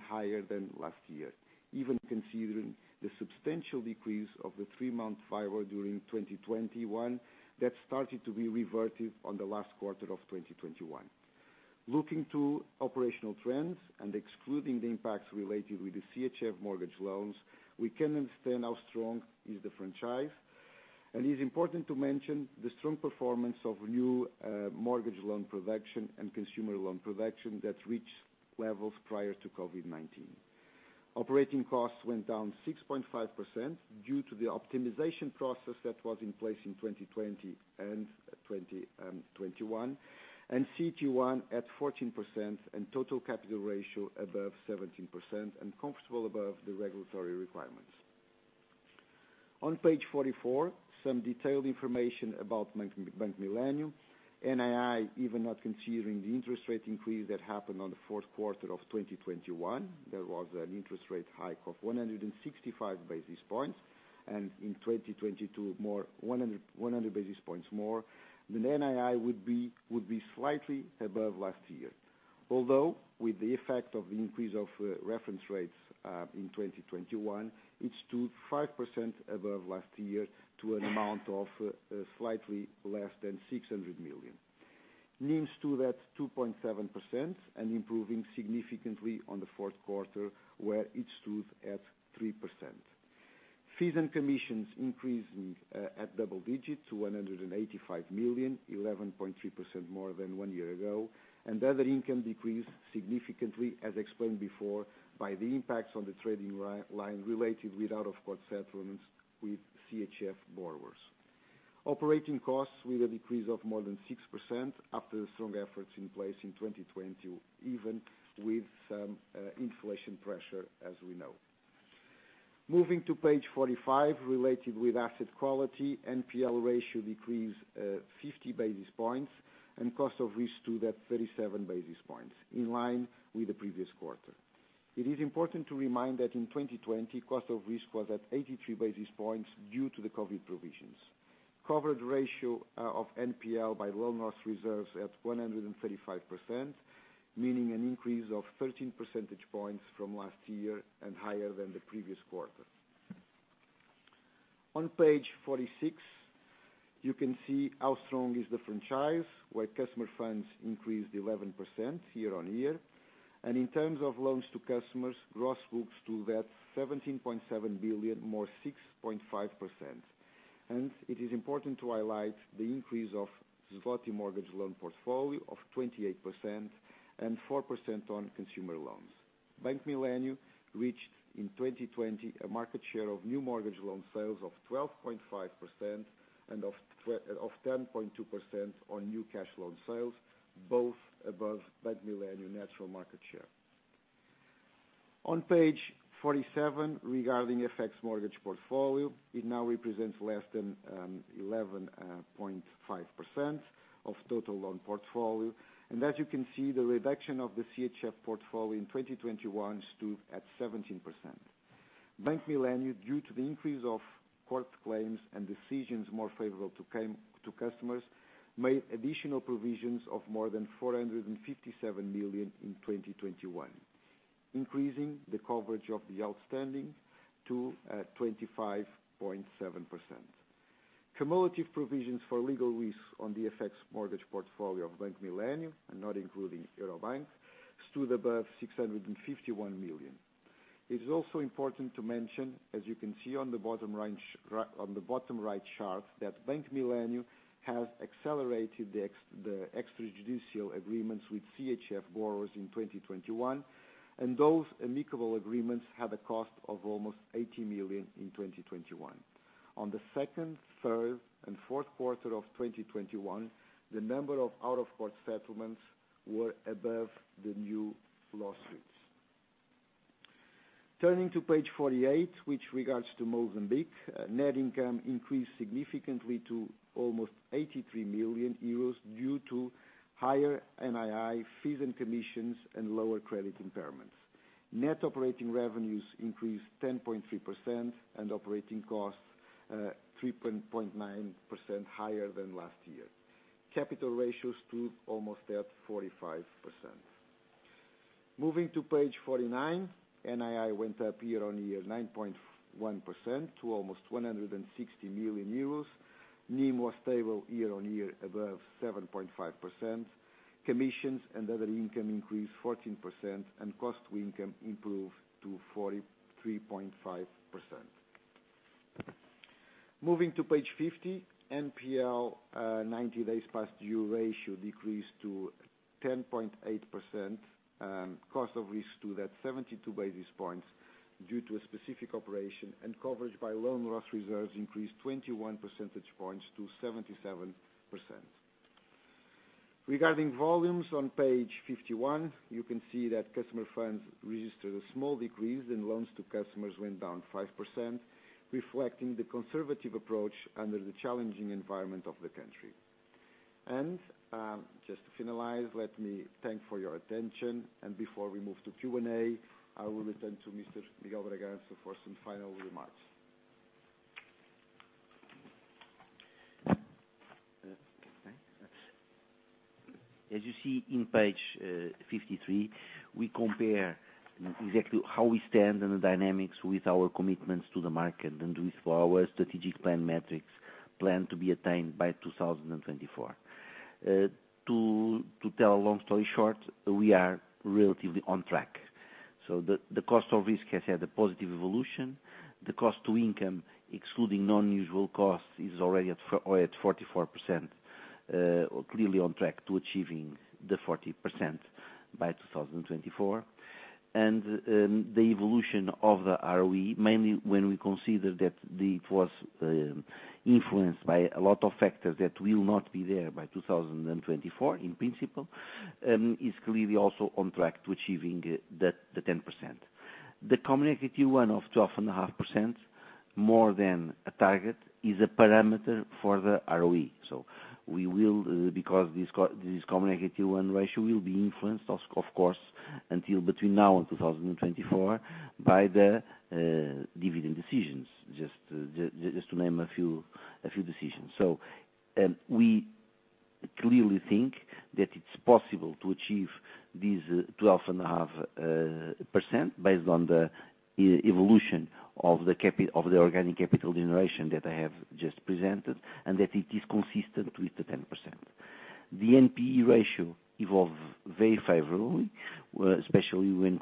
higher than last year. Even considering the substantial decrease of the three-month WIBOR during 2021, that started to be reverted in the last quarter of 2021. Looking to operational trends and excluding the impacts related with the CHF mortgage loans, we can understand how strong is the franchise. It's important to mention the strong performance of new mortgage loan production and consumer loan production that reached levels prior to COVID-19. Operating costs went down 6.5% due to the optimization process that was in place in 2020 and 2021, and CET1 at 14% and total capital ratio above 17% and comfortable above the regulatory requirements. On page 44, some detailed information about Bank Millennium. NII, even not considering the interest rate increase that happened on the fourth quarter of 2021, there was an interest rate hike of 165 basis points, and in 2022, more 100 basis points more. The NII would be slightly above last year. Although, with the effect of the increase of reference rates in 2021, it stood 5% above last year to an amount of slightly less than 600 million. NIMs stood at 2.7% and improving significantly on the fourth quarter, where it stood at 3%. Fees and commissions increased at double digits to 185 million, 11.3% more than one year ago. Other income decreased significantly, as explained before, by the impacts on the trading line related with out-of-court settlements with CHF borrowers. Operating costs with a decrease of more than 6% after the strong efforts in place in 2020, even with some inflation pressure, as we know. Moving to page 45, related with asset quality, NPL ratio decreased 50 basis points, and cost of risk stood at 37 basis points, in line with the previous quarter. It is important to remind that in 2020, cost of risk was at 83 basis points due to the COVID provisions. Covered ratio of NPL by loan loss reserves at 135%, meaning an increase of 13 percentage points from last year and higher than the previous quarter. On page 46, you can see how strong is the franchise, where customer funds increased 11% year-over-year. In terms of loans to customers, gross books stood at 17.7 billion, more 6.5%. It is important to highlight the increase of złoty mortgage loan portfolio of 28% and 4% on consumer loans. Bank Millennium reached, in 2020, a market share of new mortgage loan sales of 12.5% and of 10.2% on new cash loan sales, both above Bank Millennium natural market share. On page 47, regarding FX mortgage portfolio, it now represents less than 11.5% of total loan portfolio. As you can see, the reduction of the CHF portfolio in 2021 stood at 17%. Bank Millennium, due to the increase of court claims and decisions more favorable to customers, made additional provisions of more than 457 million in 2021, increasing the coverage of the outstanding to 25.7%. Cumulative provisions for legal risk on the FX mortgage portfolio of Bank Millennium, and not including Eurobank, stood above 651 million. It is also important to mention, as you can see on the bottom right chart, that Bank Millennium has accelerated the extrajudicial agreements with CHF borrowers in 2021, and those amicable agreements had a cost of almost 80 million in 2021. On the second, third, and fourth quarter of 2021, the number of out-of-court settlements were above the new lawsuits. Turning to page 48, which regards to Mozambique, net income increased significantly to almost 83 million euros due to higher NII fees and commissions and lower credit impairments. Net operating revenues increased 10.3% and operating costs 3.9% higher than last year. Capital ratios stood almost at 45%. Moving to page 49, NII went up year-on-year 9.1% to almost 160 million euros. NIM was stable year-on-year above 7.5%. Commissions and other income increased 14% and cost to income improved to 43.5%. Moving to page 50, NPL 90 days past due ratio decreased to 10.8%. Cost of risk stood at 72 basis points due to a specific operation, and coverage by loan loss reserves increased 21 percentage points to 77%. Regarding volumes on page 51, you can see that customer funds registered a small decrease and loans to customers went down 5%, reflecting the conservative approach under the challenging environment of the country. Just to finalize, let me thank you for your attention. Before we move to Q&A, I will return to Mr. Miguel de Bragança for some final remarks. As you see on page 53, we compare exactly how we stand on the dynamics with our commitments to the market and with our strategic plan metrics planned to be attained by 2024. To tell a long story short, we are relatively on track. The cost of risk has had a positive evolution. The cost to income, excluding non-usual costs, is already at 44%, clearly on track to achieving the 40% by 2024. The evolution of the ROE, mainly when we consider that it's influenced by a lot of factors that will not be there by 2024, in principle, is clearly also on track to achieving the 10%. The Common Equity Tier 1 of 12.5% more than a target is a parameter for the ROE. We will, because this Common Equity Tier 1 ratio will be influenced, of course, between now and 2024 by the dividend decisions, just to name a few decisions. We clearly think that it's possible to achieve these 12.5% based on the evolution of the organic capital generation that I have just presented, and that it is consistent with the 10%. The NPE ratio evolved very favorably, especially when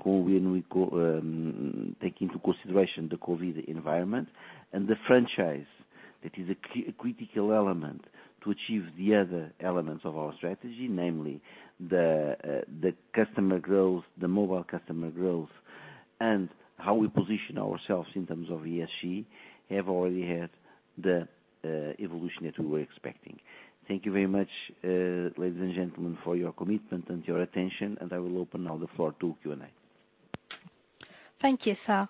we take into consideration the COVID environment and the franchise that is a critical element to achieve the other elements of our strategy, namely the customer growth, the mobile customer growth, and how we position ourselves in terms of ESG, have already had the evolution that we were expecting. Thank you very much, ladies and gentlemen, for your commitment and your attention. I will open now the floor to Q&A. Thank you, sir.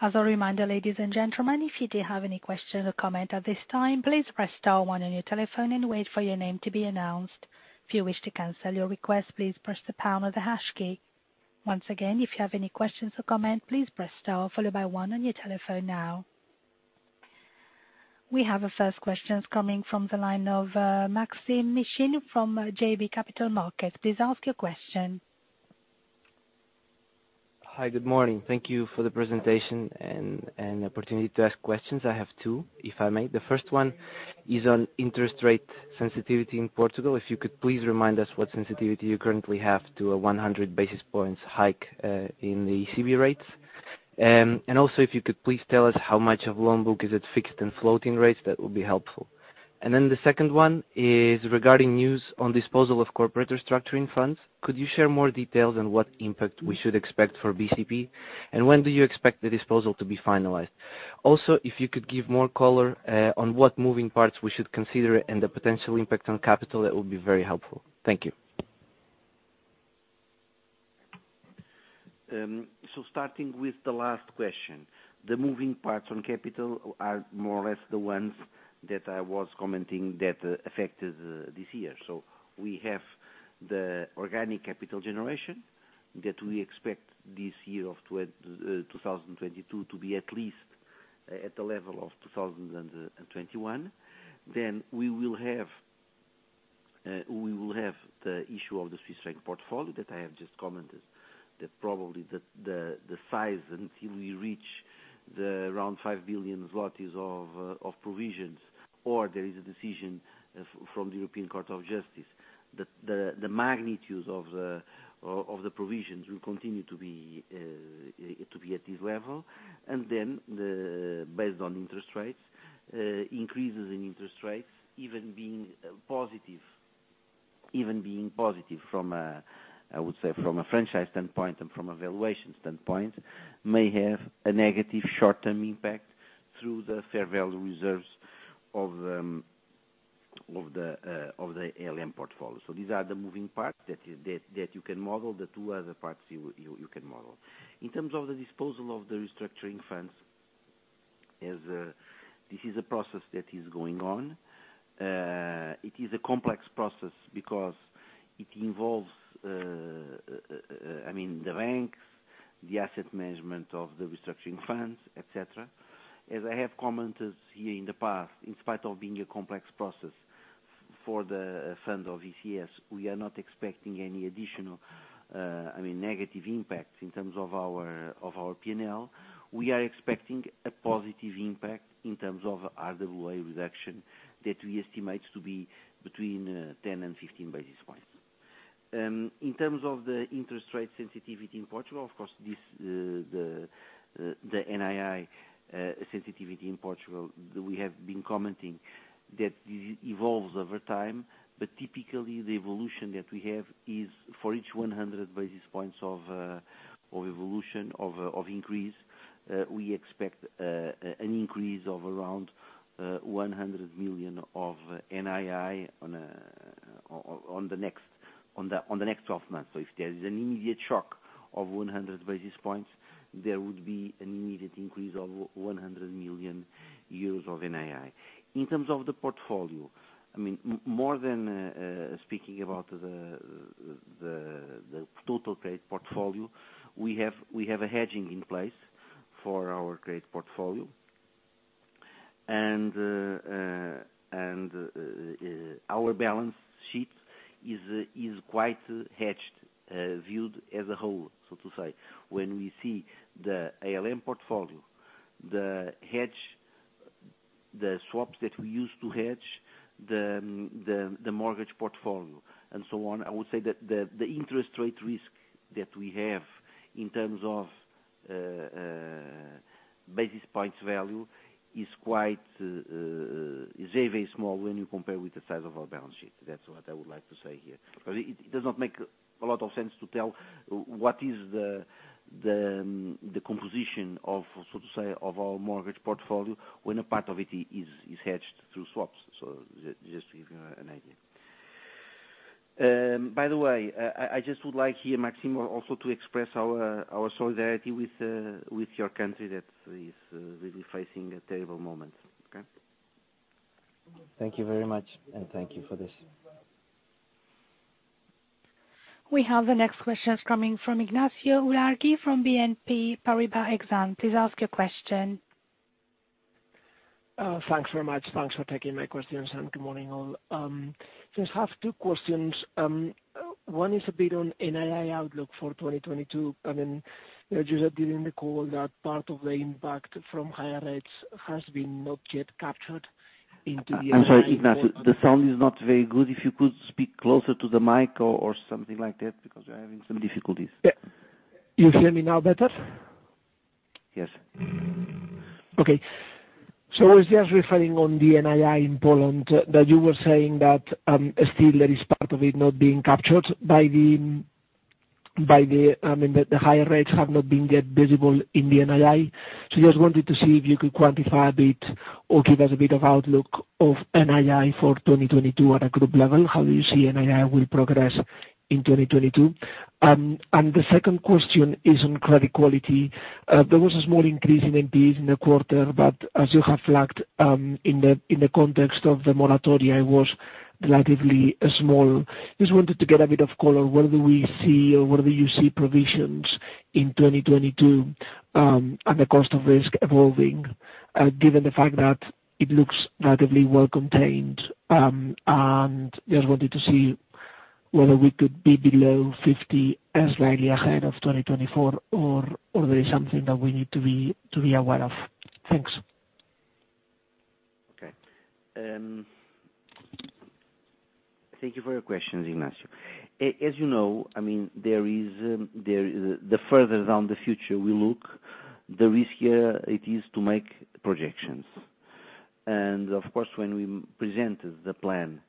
As a reminder, ladies and gentlemen, if you do have any questions or comments at this time, please press star one on your telephone and wait for your name to be announced. If you wish to cancel your request, please press the pound or the hash key. Once again, if you have any questions or comments, please press star followed by one on your telephone now. We have our first questions coming from the line of Maksym Mishyn from JB Capital Markets. Please ask your question. Hi, good morning. Thank you for the presentation and opportunity to ask questions. I have two, if I may. The first one is on interest rate sensitivity in Portugal. If you could please remind us what sensitivity you currently have to a 100 basis points hike in the CB rates. And also if you could please tell us how much of loan book is at fixed and floating rates, that would be helpful. The second one is regarding news on disposal of corporate restructuring funds. Could you share more details on what impact we should expect for BCP? And when do you expect the disposal to be finalized? Also, if you could give more color on what moving parts we should consider and the potential impact on capital, that would be very helpful. Thank you. Starting with the last question, the moving parts on capital are more or less the ones that I was commenting that affected this year. We have the organic capital generation that we expect this year of 2022 to be at least at the level of 2021. Then we will have the issue of the Swiss franc portfolio that I have just commented, that probably the size until we reach around 5 billion zlotys of provisions or there is a decision from the Court of Justice of the European Union. The magnitude of the provisions will continue to be at this level. Based on interest rates, increases in interest rates, even being positive from a, I would say, from a franchise standpoint and from a valuation standpoint, may have a negative short-term impact through the fair value reserves of the ALM portfolio. These are the moving parts that you can model, the two other parts you can model. In terms of the disposal of the restructuring funds, as this is a process that is going on. It is a complex process because it involves, I mean, the banks, the asset management of the restructuring funds, et cetera. As I have commented here in the past, in spite of being a complex process for the funds of ECS, we are not expecting any additional, I mean, negative impacts in terms of our P&L. We are expecting a positive impact in terms of RWA reduction that we estimate to be between 10 and 15 basis points. In terms of the interest rate sensitivity in Portugal, of course, the NII sensitivity in Portugal, we have been commenting that it evolves over time. Typically, the evolution that we have is for each 100 basis points of increase, we expect an increase of around 100 million of NII over the next 12 months. If there is an immediate shock of 100 basis points, there would be an immediate increase of 100 million euros of NII. In terms of the portfolio, speaking about the total trade portfolio, we have a hedging in place for our trade portfolio. Our balance sheet is quite hedged, viewed as a whole, so to say. When we see the ALM portfolio, the hedge, the swaps that we use to hedge the mortgage portfolio and so on, I would say that the interest rate risk that we have in terms of basis points value is quite very small when you compare with the size of our balance sheet. That's what I would like to say here. It does not make a lot of sense to tell what is the composition of, so to say, of our mortgage portfolio when a part of it is hedged through swaps. Just to give you an idea. By the way, I just would like here, Maksym, also to express our solidarity with your country that is really facing a terrible moment. Okay? Thank you very much, and thank you for this. We have the next questions coming from Ignacio Ulargui from BNP Paribas Exane. Please ask your question. Thanks very much. Thanks for taking my questions, and good morning, all. I just have two questions. One is a bit on NII outlook for 2022. I mean, you said during the call that part of the impact from higher rates has been not yet captured into the-. I'm sorry, Ignacio. The sound is not very good. If you could speak closer to the mic or something like that because we're having some difficulties. Yeah. You hear me now better? Yes. Okay. I was just referring on the NII in Poland, that you were saying that, still there is part of it not being captured by the, I mean, the higher rates have not been yet visible in the NII. Just wanted to see if you could quantify a bit or give us a bit of outlook of NII for 2022 at a group level. How do you see NII will progress in 2022? The second question is on credit quality. There was a small increase in NPEs in the quarter, but as you have flagged, in the context of the moratoria was relatively small. Just wanted to get a bit of color. Where do we see or where do you see provisions in 2022, and the cost of risk evolving, given the fact that it looks relatively well-contained, and just wanted to see whether we could be below 50 as early ahead of 2024 or there is something that we need to be aware of? Thanks. Okay. Thank you for your questions, Ignacio. As you know, I mean, there is the further into the future we look, the riskier it is to make projections. Of course, when we presented the plan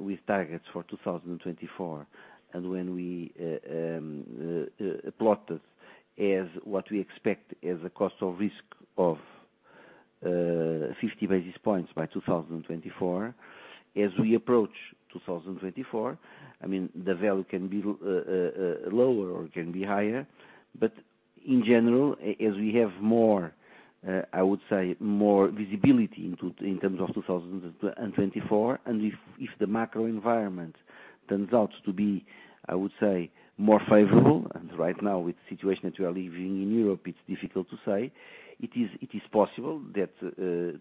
with targets for 2024, and when we plot this as what we expect as a cost of risk of 50 basis points by 2024, as we approach 2024, I mean, the value can be lower or can be higher. In general, as we have more, I would say, more visibility into, in terms of 2024, and if the macro environment turns out to be, I would say, more favorable, and right now with the situation that we are living in Europe, it's difficult to say. It is possible that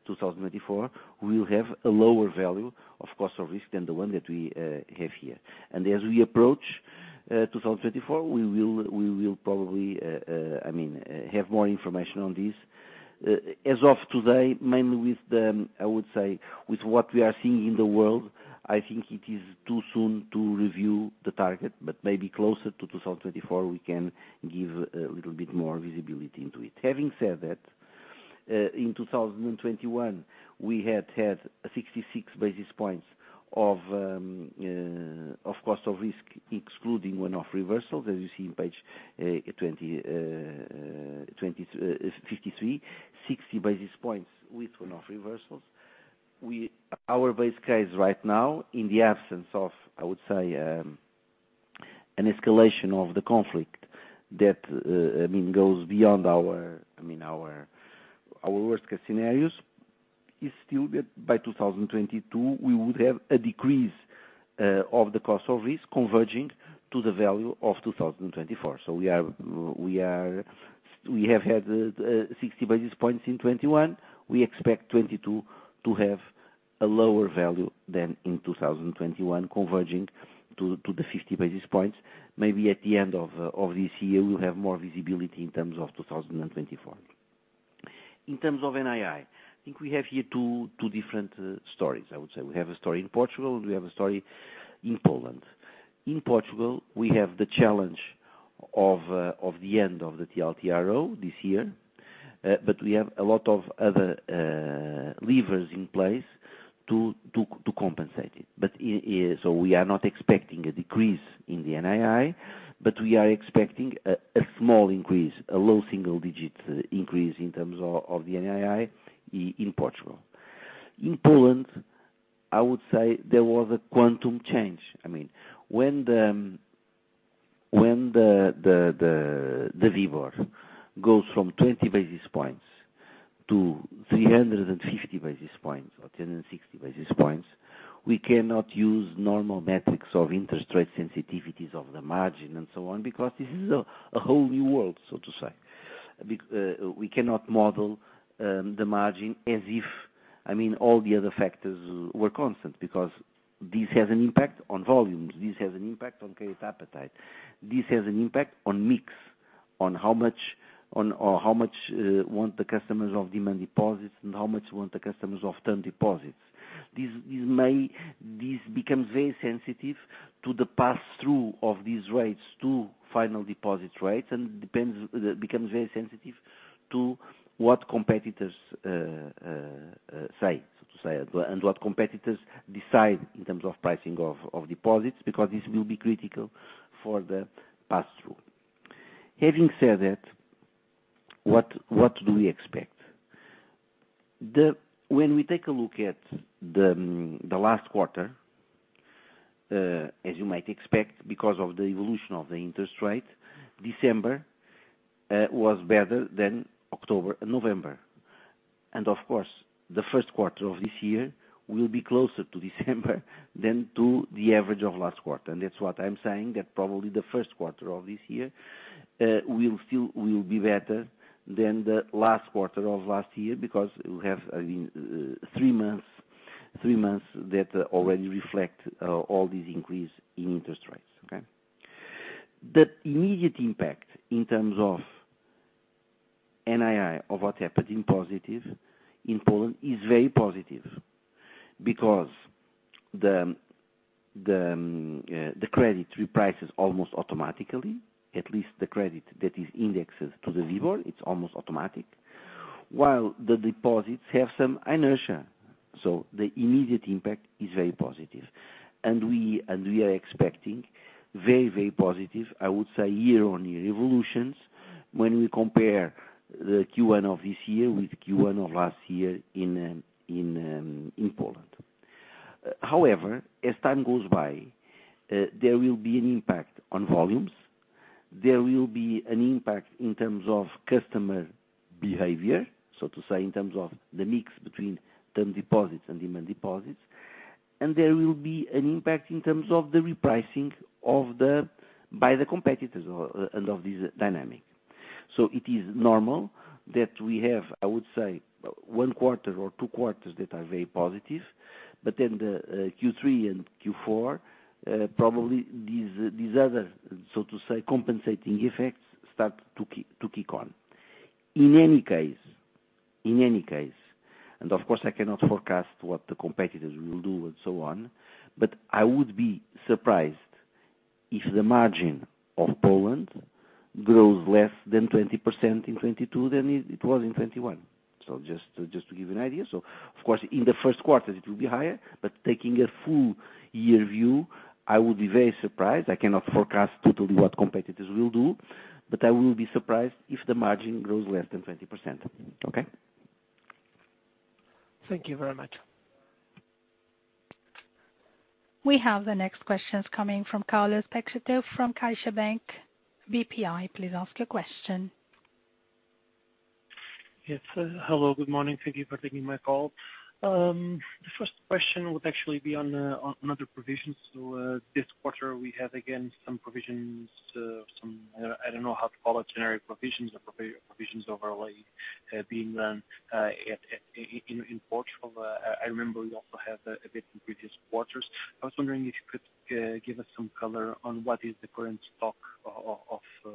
2024 will have a lower value of cost of risk than the one that we have here. As we approach 2024, we will probably, I mean, have more information on this. As of today, mainly with the, I would say, with what we are seeing in the world, I think it is too soon to review the target, but maybe closer to 2024, we can give a little bit more visibility into it. Having said that, in 2021, we had 66 basis points of cost of risk, excluding one-off reversal, that you see in page 53. 60 basis points with one-off reversals. Our base case right now, in the absence of, I would say, an escalation of the conflict that I mean goes beyond our worst case scenarios, is still that by 2022, we would have a decrease of the cost of risk converging to the value of 2024. We have had the 60 basis points in 2021. We expect 2022 to have a lower value than in 2021 converging to the 50 basis points. Maybe at the end of this year, we'll have more visibility in terms of 2024. In terms of NII, I think we have here two different stories, I would say. We have a story in Portugal, and we have a story in Poland. In Portugal, we have the challenge of the end of the TLTRO this year. But we have a lot of other levers in place to compensate it. We are not expecting a decrease in the NII, but we are expecting a small increase, a low single-digit increase in terms of the NII in Portugal. In Poland, I would say there was a quantum change. I mean, when the WIBOR goes from 20 basis points to 350 basis points or 1060 basis points, we cannot use normal metrics of interest rate sensitivities of the margin and so on, because this is a whole new world, so to say. We cannot model the margin as if, I mean, all the other factors were constant because this has an impact on volumes, this has an impact on credit appetite, this has an impact on mix, on how much or how much the customers want demand deposits and how much the customers want term deposits. This becomes very sensitive to the pass-through of these rates to final deposit rates and depends, becomes very sensitive to what competitors say, so to say, and what competitors decide in terms of pricing of deposits, because this will be critical for the pass-through. Having said that, what do we expect? When we take a look at the last quarter, as you might expect because of the evolution of the interest rate, December was better than October and November. Of course, the first quarter of this year will be closer to December than to the average of last quarter. That's what I'm saying, that probably the first quarter of this year will still be better than the last quarter of last year because it will have, I mean, three months that already reflect all this increase in interest rates. Okay? The immediate impact in terms of NII of what happened positively in Poland is very positive because the credit reprices almost automatically, at least the credit that is indexed to the WIBOR. It's almost automatic, while the deposits have some inertia. The immediate impact is very positive. We are expecting very, very positive, I would say year-on-year evolutions when we compare the Q1 of this year with Q1 of last year in Poland. However, as time goes by, there will be an impact on volumes, there will be an impact in terms of customer behavior, so to say, in terms of the mix between term deposits and demand deposits, and there will be an impact in terms of the repricing by the competitors and of this dynamic. It is normal that we have, I would say, one quarter or two quarters that are very positive. Then the Q3 and Q4 probably these other, so to say, compensating effects start to kick on. In any case, and of course, I cannot forecast what the competitors will do and so on, but I would be surprised if the margin in Poland grows less than 20% in 2022 than it was in 2021. Just to give you an idea. Of course, in the first quarter it will be higher. Taking a full year view, I would be very surprised. I cannot forecast totally what competitors will do, but I will be surprised if the margin grows less than 20%. Okay? Thank you very much. We have the next questions coming from Carlos Peixoto from CaixaBank BPI. Please ask your question. Yes. Hello, good morning. Thank you for taking my call. The first question would actually be on other provisions. This quarter, we have again some provisions, some I don't know how to call it, generic provisions or provisions overlay, being run at in Portugal. I remember you also had a bit in previous quarters. I was wondering if you could give us some color on what is the current stock of the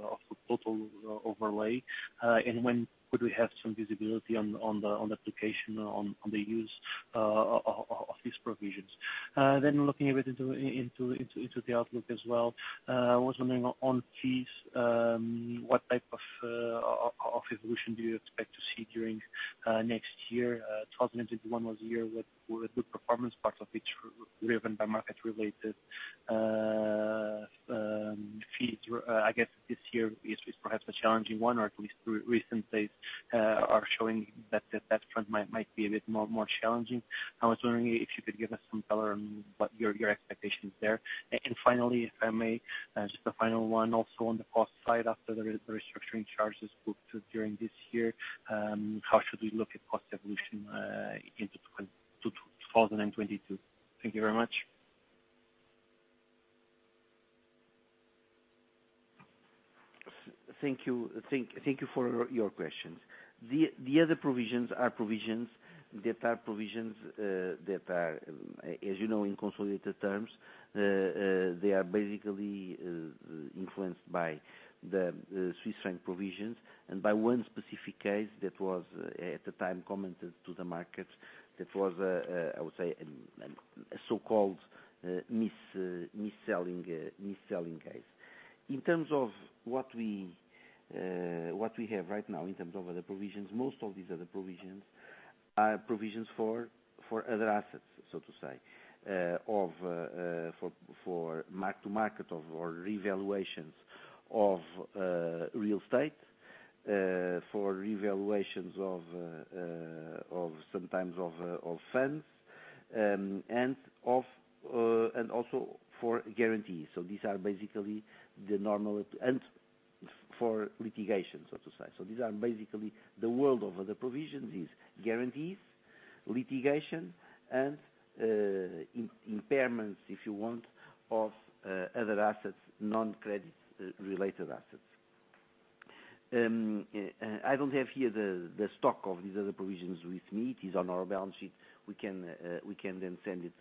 total overlay, and when would we have some visibility on the application on the use of these provisions. Looking a bit into the outlook as well, I was wondering on fees, what type of evolution do you expect to see during next year? 2021 was a year with good performance, parts of which are driven by market related fee through. I guess this year is perhaps a challenging one, or at least recent days are showing that that front might be a bit more challenging. I was wondering if you could give us some color on what your expectations there. Finally, if I may, just a final one also on the cost side after the restructuring charges booked during this year, how should we look at cost evolution into 2022? Thank you very much. Thank you for your questions. The other provisions are provisions that are, as you know, in consolidated terms, they are basically influenced by the Swiss franc provisions and by one specific case that was at the time commented to the market that was, I would say, a so-called mis-selling case. In terms of what we have right now in terms of other provisions, most of these other provisions are provisions for other assets, so to say, for mark to market or revaluations of real estate, for revaluations of sometimes funds, and also for guarantees. So these are basically the normal and for litigation, so to say. These are basically the bulk of other provisions: guarantees, litigation and impairments, if you want, of other assets, non-credit related assets. I don't have here the stock of these other provisions with me. It is on our balance sheet. We can then send it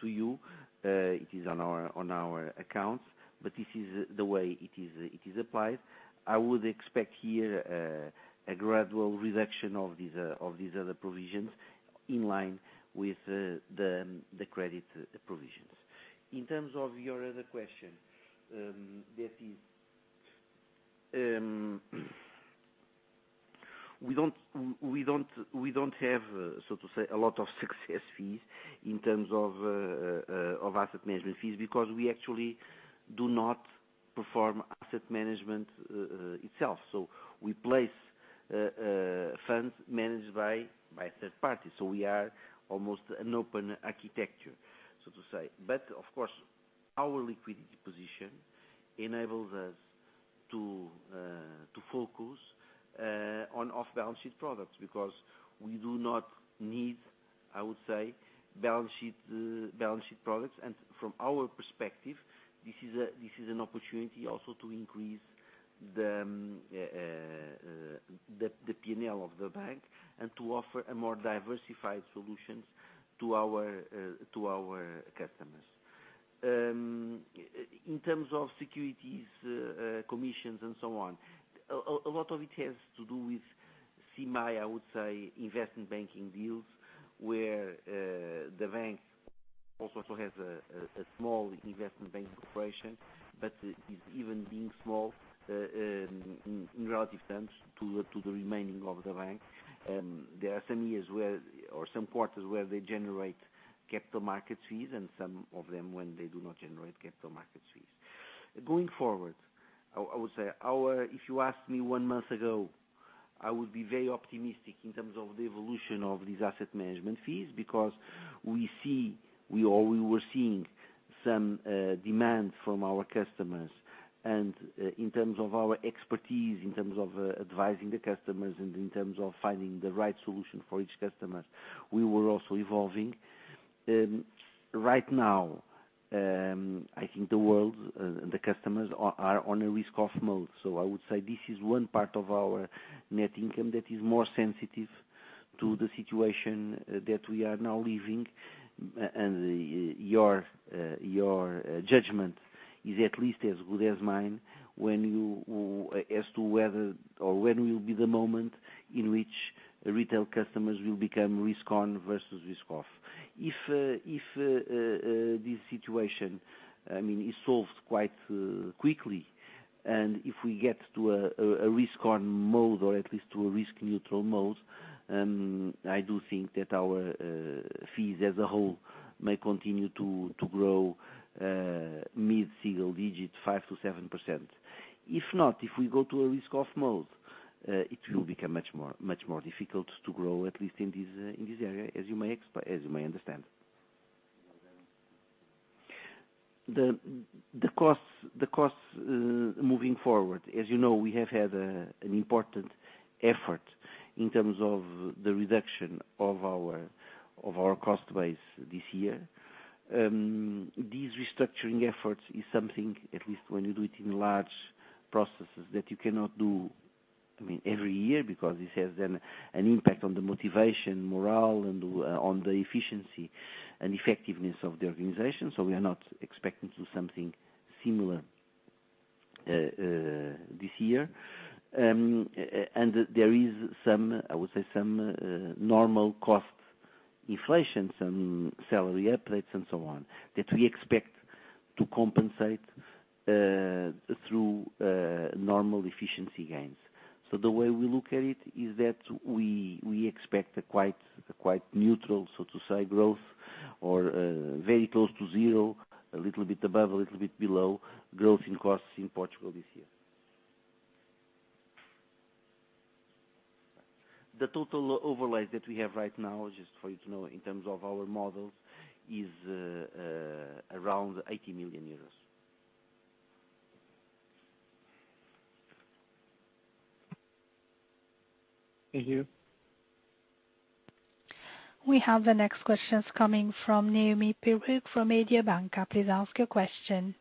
to you. It is on our accounts, but this is the way it is applied. I would expect here a gradual reduction of these other provisions in line with the credit provisions. In terms of your other question, that is, we don't have, so to say, a lot of success fees in terms of of asset management fees because we actually do not perform asset management itself. We place funds managed by third parties. We are almost an open architecture, so to say. Of course, our liquidity position enables us to focus on off-balance sheet products because we do not need, I would say, balance sheet products. From our perspective, this is an opportunity also to increase the P&L of the bank and to offer a more diversified solutions to our customers. In terms of securities, commissions and so on, a lot of it has to do with CMI, I would say, investment banking deals, where the bank also has a small investment banking operation, but even being small, in relative terms to the remaining of the bank, there are some years or some quarters where they generate capital market fees and some of them when they do not generate capital market fees. Going forward, if you asked me one month ago, I would be very optimistic in terms of the evolution of these asset management fees because we were seeing some demand from our customers. In terms of our expertise, in terms of advising the customers, and in terms of finding the right solution for each customer, we were also evolving. Right now, I think the world and the customers are on a risk-off mode. I would say this is one part of our net income that is more sensitive to the situation that we are now living. Your judgment is at least as good as mine as to whether or when will be the moment in which retail customers will become risk-on versus risk-off. If this situation, I mean, is solved quite quickly, and if we get to a risk-on mode or at least to a risk neutral mode, I do think that our fees as a whole may continue to grow mid-single digits, 5%-7%. If not, if we go to a risk-off mode, it will become much more difficult to grow, at least in this area, as you may understand. The costs moving forward, as you know, we have had an important effort in terms of the reduction of our cost base this year. These restructuring efforts is something, at least when you do it in large processes, that you cannot do, I mean, every year because this has an impact on the motivation, morale and on the efficiency and effectiveness of the organization. We are not expecting to do something similar this year. There is some, I would say some normal cost inflation, some salary upgrades and so on, that we expect to compensate through normal efficiency gains. The way we look at it is that we expect a quite neutral, so to say, growth or very close to zero, a little bit above, a little bit below growth in costs in Portugal this year. The total overlays that we have right now, just for you to know in terms of our models, is around EUR 80 million. Thank you. We have the next questions coming from Noemi Peruch from Mediobanca. Please ask your question.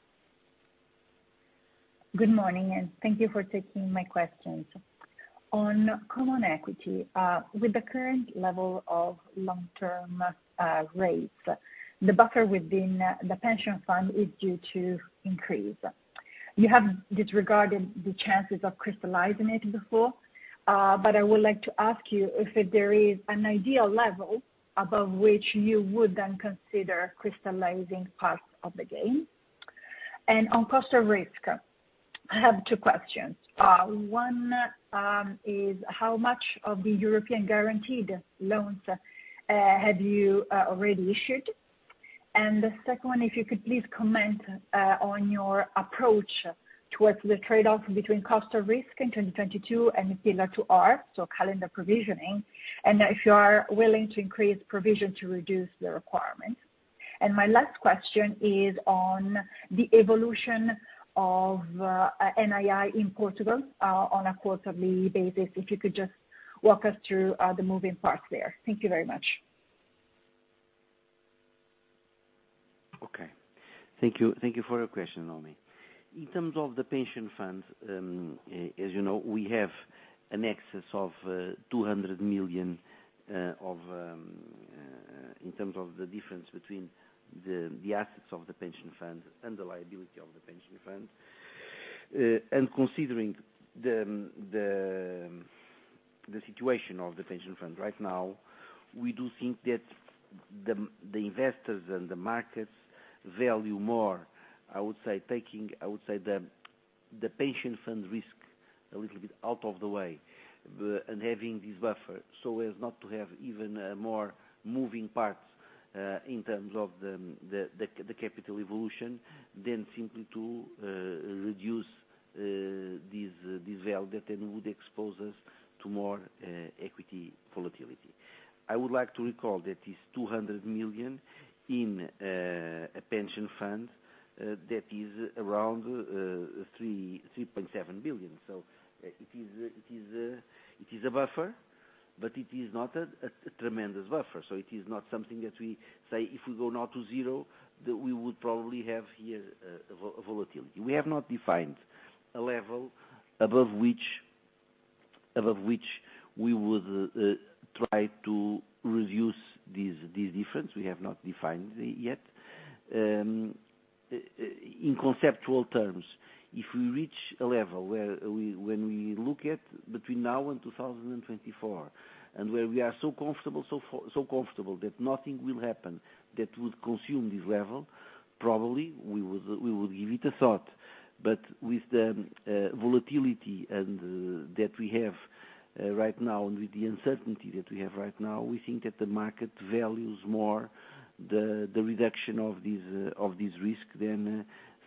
Good morning, and thank you for taking my questions. On common equity, with the current level of long-term rates, the buffer within the pension fund is due to increase. You have disregarded the chances of crystallizing it before, but I would like to ask you if there is an ideal level above which you would then consider crystallizing parts of the gain. On cost of risk, I have two questions. One is how much of the European guaranteed loans have you already issued? The second one, if you could please comment on your approach towards the trade-off between cost of risk in 2022 and the Pillar 2R, so calendar provisioning, and if you are willing to increase provision to reduce the requirements. My last question is on the evolution of NII in Portugal on a quarterly basis, if you could just walk us through the moving parts there. Thank you very much. Okay. Thank you for your question, Naomi. In terms of the pension fund, as you know, we have an excess of 200 million in terms of the difference between the assets of the pension fund and the liability of the pension fund. Considering the situation of the pension fund right now, we do think that the investors and the markets value more, I would say, taking the pension fund risk a little bit out of the way, but having this buffer so as not to have even more moving parts in terms of the capital evolution than simply to reduce this value that then would expose us to more equity volatility. I would like to recall that it's 200 million in a pension fund that is around 3.7 billion. It is a buffer, but it is not a tremendous buffer. It is not something that we say if we go now to zero, that we would probably have here a volatility. We have not defined a level above which we would try to reduce this, the difference. We have not defined it yet. In conceptual terms, if we reach a level where we, when we look at between now and 2024, and where we are so comfortable so far, so comfortable that nothing will happen that would consume this level, probably we would give it a thought. With the volatility and that we have right now and with the uncertainty that we have right now, we think that the market values more the reduction of this risk than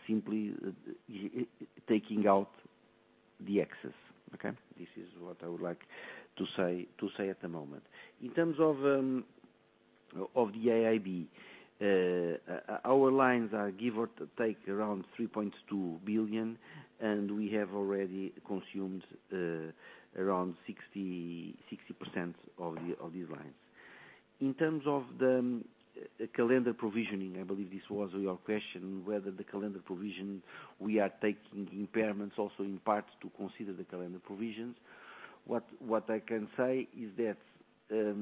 simply taking out the excess. Okay. This is what I would like to say at the moment. In terms of the EIB, our lines are give or take around 3.2 billion, and we have already consumed around 60% of these lines. In terms of the calendar provisioning, I believe this was your question whether the calendar provision. We are taking impairments also in part to consider the calendar provisions. What I can say is that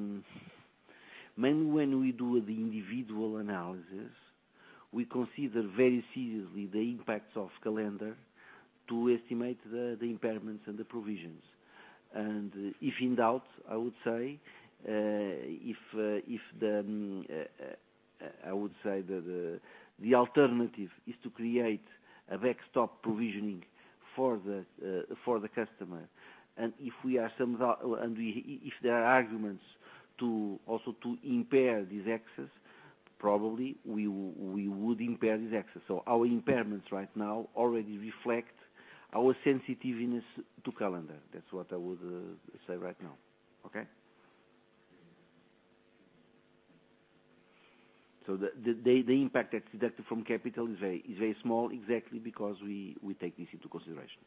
mainly when we do the individual analysis, we consider very seriously the impacts of calendar to estimate the impairments and the provisions. If in doubt, I would say the alternative is to create a backstop provisioning for the customer. If there are arguments to also impair this excess, probably we would impair this excess. Our impairments right now already reflect our sensitiveness to calendar. That's what I would say right now. Okay? The impact that's deducted from capital is very small exactly because we take this into consideration.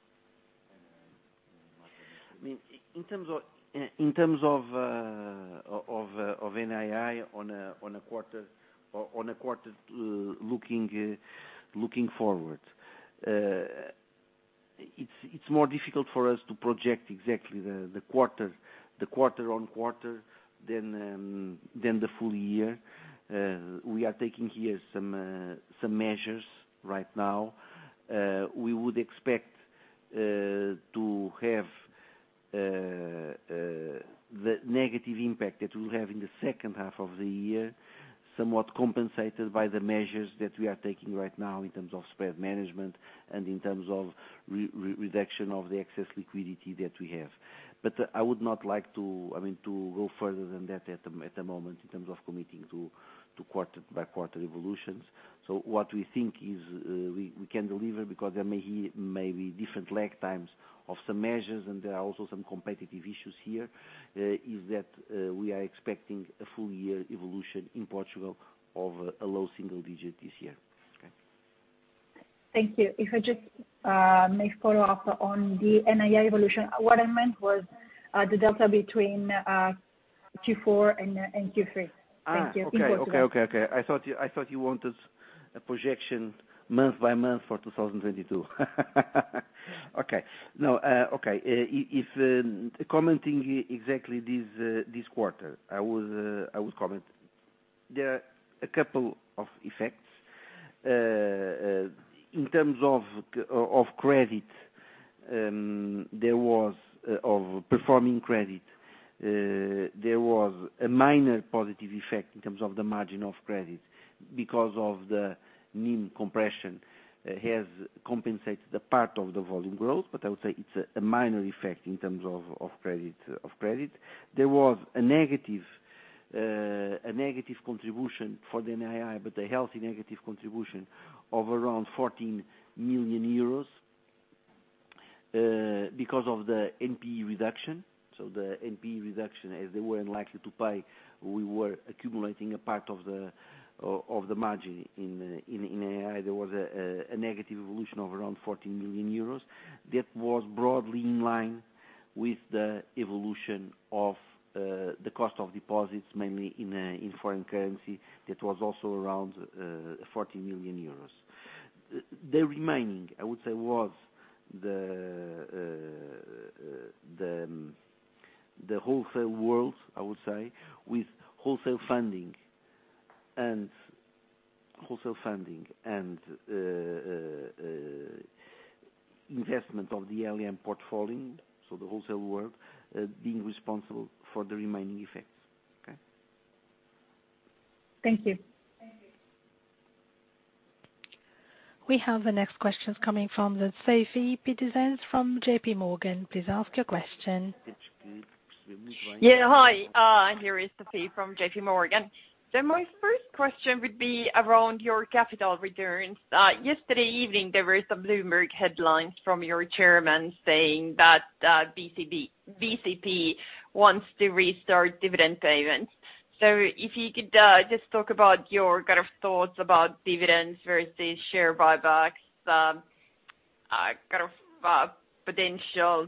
I mean, in terms of of NII on a quarter or on a quarter looking forward, it's more difficult for us to project exactly the quarter on quarter than the full year. We are taking here some measures right now. We would expect to have the negative impact that we'll have in the second half of the year, somewhat compensated by the measures that we are taking right now in terms of spread management and in terms of reduction of the excess liquidity that we have. I would not like to, I mean, to go further than that at the moment in terms of committing to quarter by quarter evolutions. What we think is we can deliver because there may be different lag times of some measures, and there are also some competitive issues here, is that we are expecting a full year evolution in Portugal of a low single digit this year. Okay. Thank you. If I just may follow up on the NII evolution. What I meant was the delta between Q4 and Q3. Okay. Thank you. In Portugal. I thought you wanted a projection month by month for 2022. No. If commenting exactly this quarter, I would comment there are a couple of effects. In terms of credit, there was a minor positive effect in terms of the margin of credit because the NIM compression has compensated the part of the volume growth, but I would say it's a minor effect in terms of credit. There was a negative contribution for the NII, but a healthy negative contribution of around 14 million euros because of the NPE reduction. The NPE reduction, as they were unlikely to pay, we were accumulating a part of the margin. In NII, there was a negative evolution of around 14 million euros. That was broadly in line with the evolution of the cost of deposits, mainly in foreign currency. That was also around 14 million euros. The remaining, I would say, was the wholesale world, I would say, with wholesale funding and investment of the ALM portfolio, so the wholesale world being responsible for the remaining effects. Okay. Thank you. We have the next questions coming from the Sofie Peterzens from JPMorgan. Please ask your question. Hi, here is Sophie from JPMorgan. My first question would be around your capital returns. Yesterday evening, there were some Bloomberg headlines from your chairman saying that BCP wants to restart dividend payments. If you could just talk about your kind of thoughts about dividends versus share buybacks, kind of potential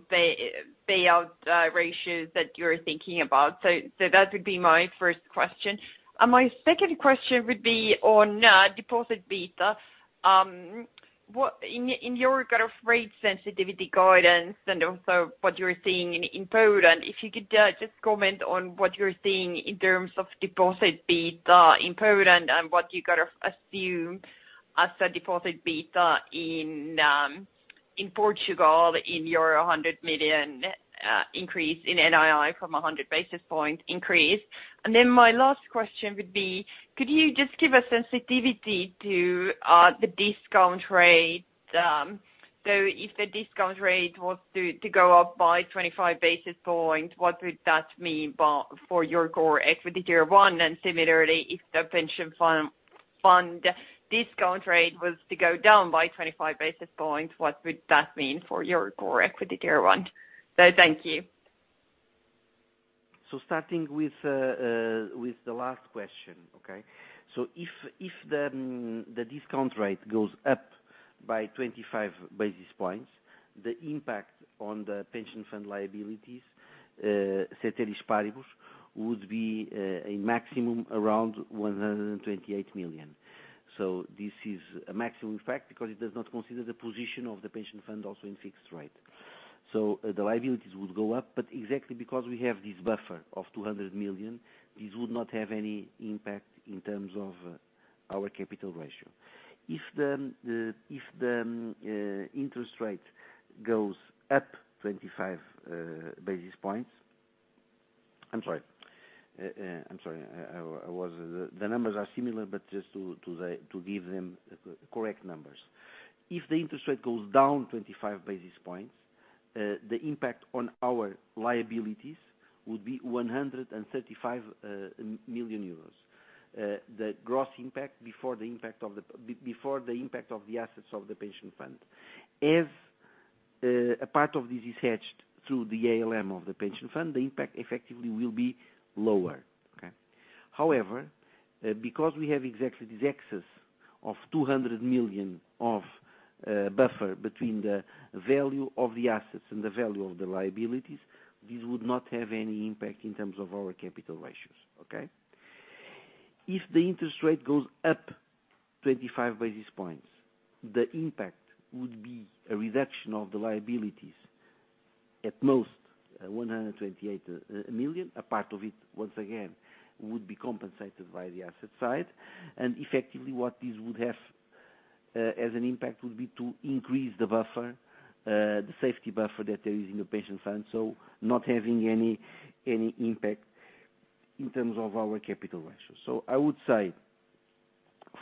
payout ratios that you're thinking about. That would be my first question. My second question would be on deposit beta. In your kind of rate sensitivity guidance and also what you're seeing in Poland, if you could just comment on what you're seeing in terms of deposit beta in Poland and what you gotta assume as a deposit beta in Portugal, in your 100 million increase in NII from a 100 basis point increase. Then my last question would be, could you just give a sensitivity to the discount rate? So if the discount rate was to go up by 25 basis points, what would that mean for your Core Equity Tier 1? Thank you. Starting with the last question. Okay. If the discount rate goes up by 25 basis points, the impact on the pension fund liabilities, ceteris paribus, would be a maximum around 128 million. This is a maximum fact because it does not consider the position of the pension fund also in fixed rate. The liabilities would go up, but exactly because we have this buffer of 200 million, this would not have any impact in terms of our capital ratio. If the interest rate goes up 25 basis points. I'm sorry. I'm sorry. I was. The numbers are similar, but just to give them correct numbers. If the interest rate goes down 25 basis points, the impact on our liabilities would be 135 million euros. The gross impact before the impact of the assets of the pension fund. If a part of this is hedged through the ALM of the pension fund, the impact effectively will be lower. Okay? However, because we have exactly this excess of 200 million of buffer between the value of the assets and the value of the liabilities, this would not have any impact in terms of our capital ratios. Okay? If the interest rate goes up 25 basis points, the impact would be a reduction of the liabilities at most 128 million. A part of it, once again, would be compensated by the asset side. Effectively, what this would have as an impact would be to increase the buffer, the safety buffer that they use in the pension fund, so not having any impact in terms of our capital ratios. I would say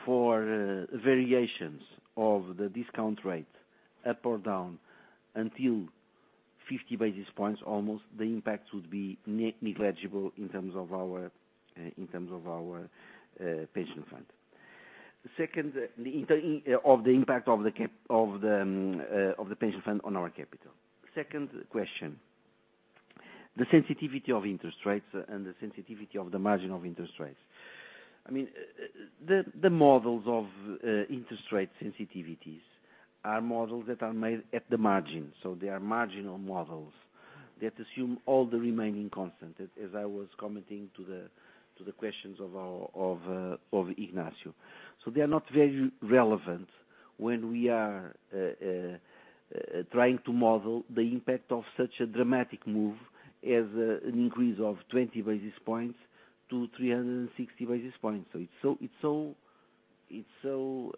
for variations of the discount rate up or down until 50 basis points almost, the impact would be negligible in terms of our pension fund. The second, the interest of the impact of the capital of the pension fund on our capital. Second question, the sensitivity of interest rates and the sensitivity of the margin of interest rates. I mean, the models of interest rate sensitivities are models that are made at the margin, so they are marginal models that assume all else remaining constant, as I was commenting to the questions of Ignacio. They are not very relevant when we are trying to model the impact of such a dramatic move as an increase of 20 basis points to 360 basis points. It's so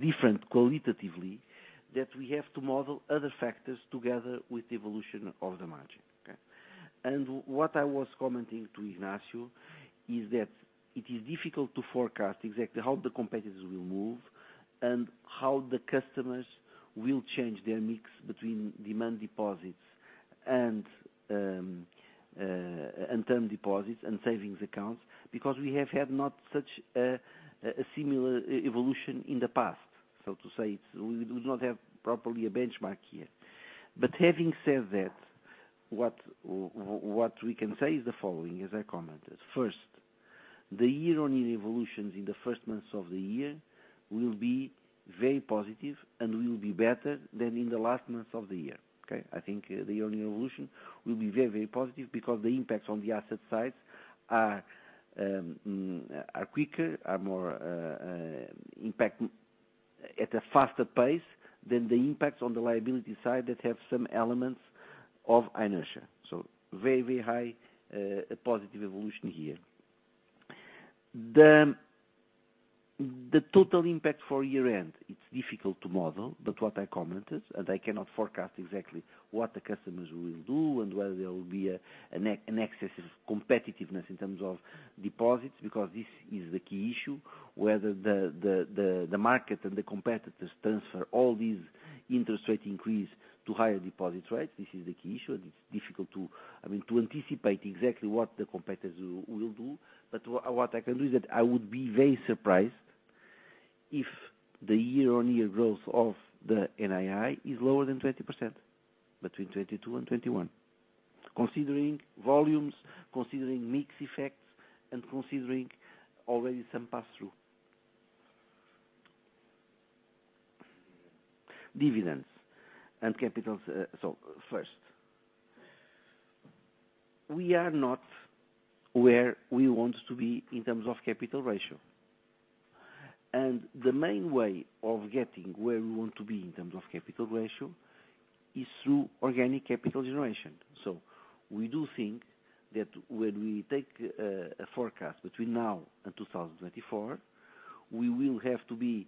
different qualitatively that we have to model other factors together with the evolution of the margin, okay? What I was commenting to Ignacio is that it is difficult to forecast exactly how the competitors will move and how the customers will change their mix between demand deposits and term deposits and savings accounts, because we have had not such a similar evolution in the past. To say, we do not have properly a benchmark here. Having said that, what we can say is the following, as I commented. First, the year-over-year evolutions in the first months of the year will be very positive and will be better than in the last months of the year, okay? I think the yearly evolution will be very, very positive because the impacts on the asset side are quicker, are more impactful at a faster pace than the impacts on the liability side that have some elements of inertia. Very, very high positive evolution here. The total impact for year-end, it's difficult to model, but what I commented, and I cannot forecast exactly what the customers will do and whether there will be an excess of competitiveness in terms of deposits, because this is the key issue, whether the market and the competitors transfer all these interest rate increase to higher deposit rates. This is the key issue, and it's difficult, I mean, to anticipate exactly what the competitors will do. What I can do is that I would be very surprised if the year-on-year growth of the NII is lower than 20%, between 2022 and 2021, considering volumes, considering mix effects, and considering already some pass-through. Dividends and capital. First, we are not where we want to be in terms of capital ratio. The main way of getting where we want to be in terms of capital ratio is through organic capital generation. We do think that when we take a forecast between now and 2024, we will have to be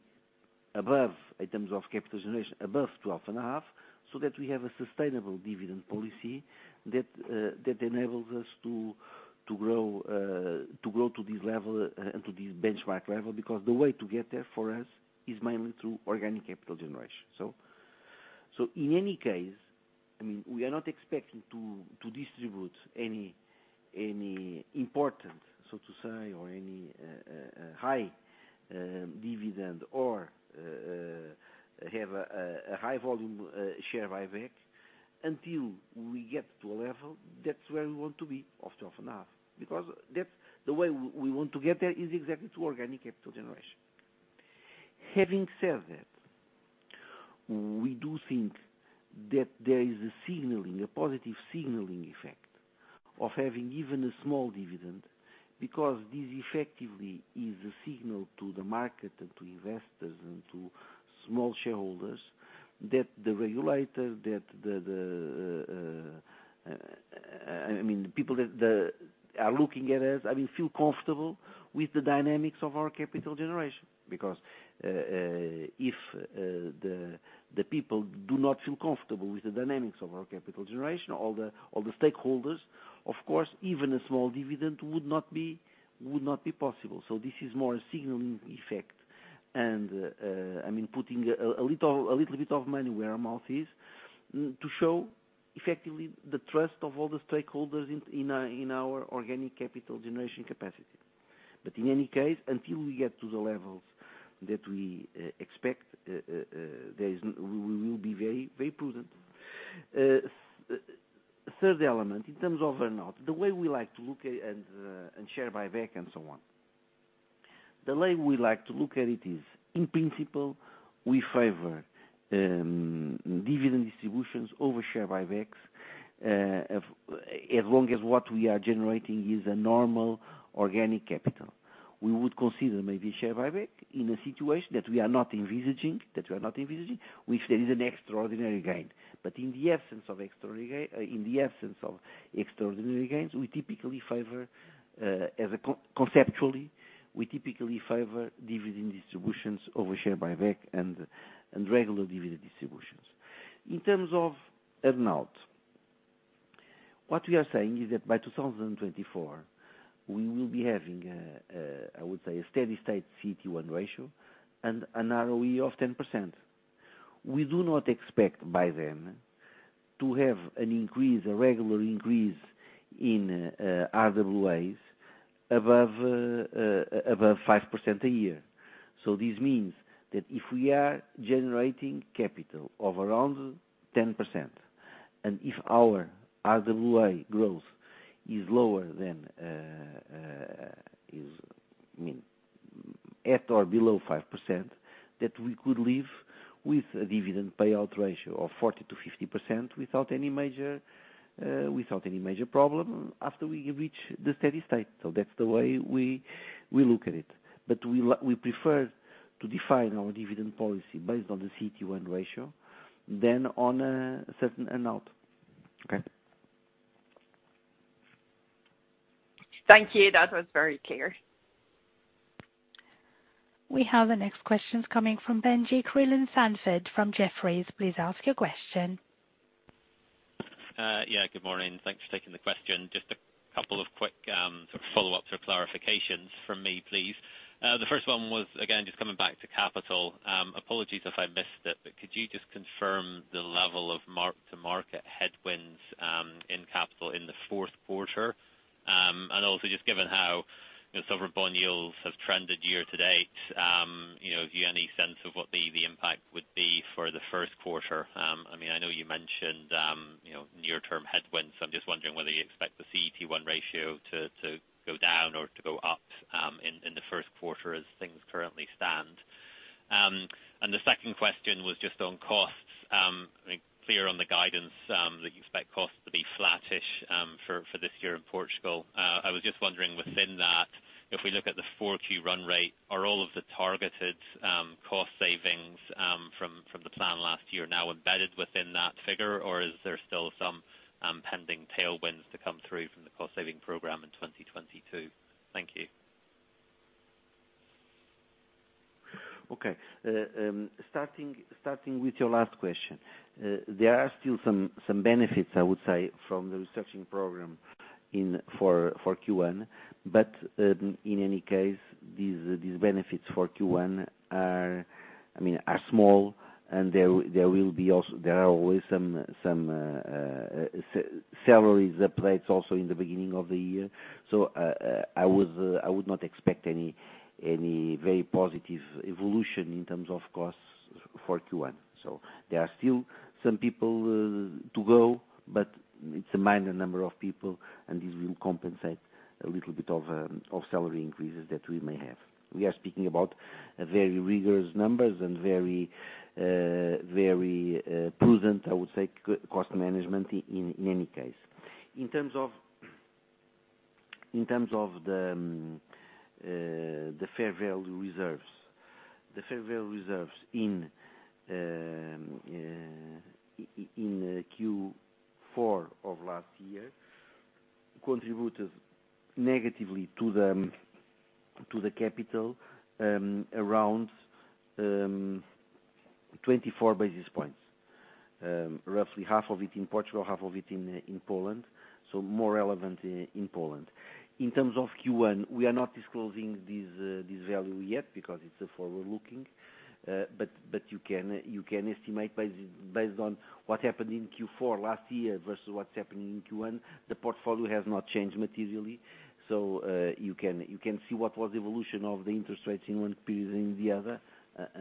above, in terms of capital generation, above 12.5, so that we have a sustainable dividend policy that enables us to grow to this level and to this benchmark level, because the way to get there for us is mainly through organic capital generation. In any case, I mean, we are not expecting to distribute any important, so to say, or any high dividend or have a high volume share buyback until we get to a level that's where we want to be, of 12.5. Because that's the way we want to get there is exactly through organic capital generation. Having said that, we do think that there is a signaling, a positive signaling effect of having even a small dividend, because this effectively is a signal to the market and to investors and to small shareholders that the regulator, I mean, people that are looking at us, I mean, feel comfortable with the dynamics of our capital generation. Because, if the people do not feel comfortable with the dynamics of our capital generation, all the stakeholders, of course, even a small dividend would not be possible. This is more a signaling effect and, I mean, putting a little bit of money where our mouth is, to show effectively the trust of all the stakeholders in our organic capital generation capacity. In any case, until we get to the levels that we expect, we will be very, very prudent. Third element, in terms of earn-out and share buyback and so on. The way we like to look at it is, in principle, we favor dividend distributions over share buybacks, as long as what we are generating is a normal organic capital. We would consider maybe share buyback in a situation that we are not envisaging, if there is an extraordinary gain. In the absence of extraordinary gains, conceptually, we typically favor dividend distributions over share buyback and regular dividend distributions. In terms of payout, what we are saying is that by 2024, we will be having, I would say, a steady state CET1 ratio and an ROE of 10%. We do not expect by then to have a regular increase in RWAs above 5% a year. This means that if we are generating capital of around 10%, and if our RWA growth is lower than I mean at or below 5%, that we could live with a dividend payout ratio of 40%-50% without any major problem after we reach the steady state. That's the way we look at it. But we prefer to define our dividend policy based on the CET1 ratio than on a certain amount. Okay. Thank you. That was very clear. We have the next questions coming from Benjie Creelan-Sandford from Jefferies. Please ask your question. Yeah, good morning. Thanks for taking the question. Just a couple of quick, sort of follow-ups or clarifications from me, please. The first one was, again, just coming back to capital. Apologies if I missed it, but could you just confirm the level of mark-to-market headwinds, in capital in the fourth quarter? And also just given how, you know, sovereign bond yields have trended year-to-date, you know, have you any sense of what the impact would be for the first quarter? I mean, I know you mentioned, you know, near term headwinds. I'm just wondering whether you expect the CET1 ratio to go down or to go up, in the first quarter as things currently stand. And the second question was just on costs. I'm clear on the guidance that you expect costs to be flattish for this year in Portugal. I was just wondering within that, if we look at the 4Q run rate, are all of the targeted cost savings from the plan last year now embedded within that figure? Or is there still some pending tailwinds to come through from the cost saving program in 2022? Thank you. Okay. Starting with your last question. There are still some benefits, I would say, from the restructuring program for Q1. In any case, these benefits for Q1 are, I mean, small, and there are always some salaries applied also in the beginning of the year. I would not expect any very positive evolution in terms of costs for Q1. There are still some people to go, but it's a minor number of people, and this will compensate a little bit of salary increases that we may have. We are speaking about a very rigorous numbers and very prudent, I would say, cost management in any case. In terms of the fair value reserves. The fair value reserves in Q4 of last year contributed negatively to the capital around 24 basis points. Roughly half of it in Portugal, half of it in Poland, so more relevant in Poland. In terms of Q1, we are not disclosing these value yet because it's a forward looking. You can estimate based on what happened in Q4 last year versus what's happening in Q1. The portfolio has not changed materially, you can see what was evolution of the interest rates in one period in the other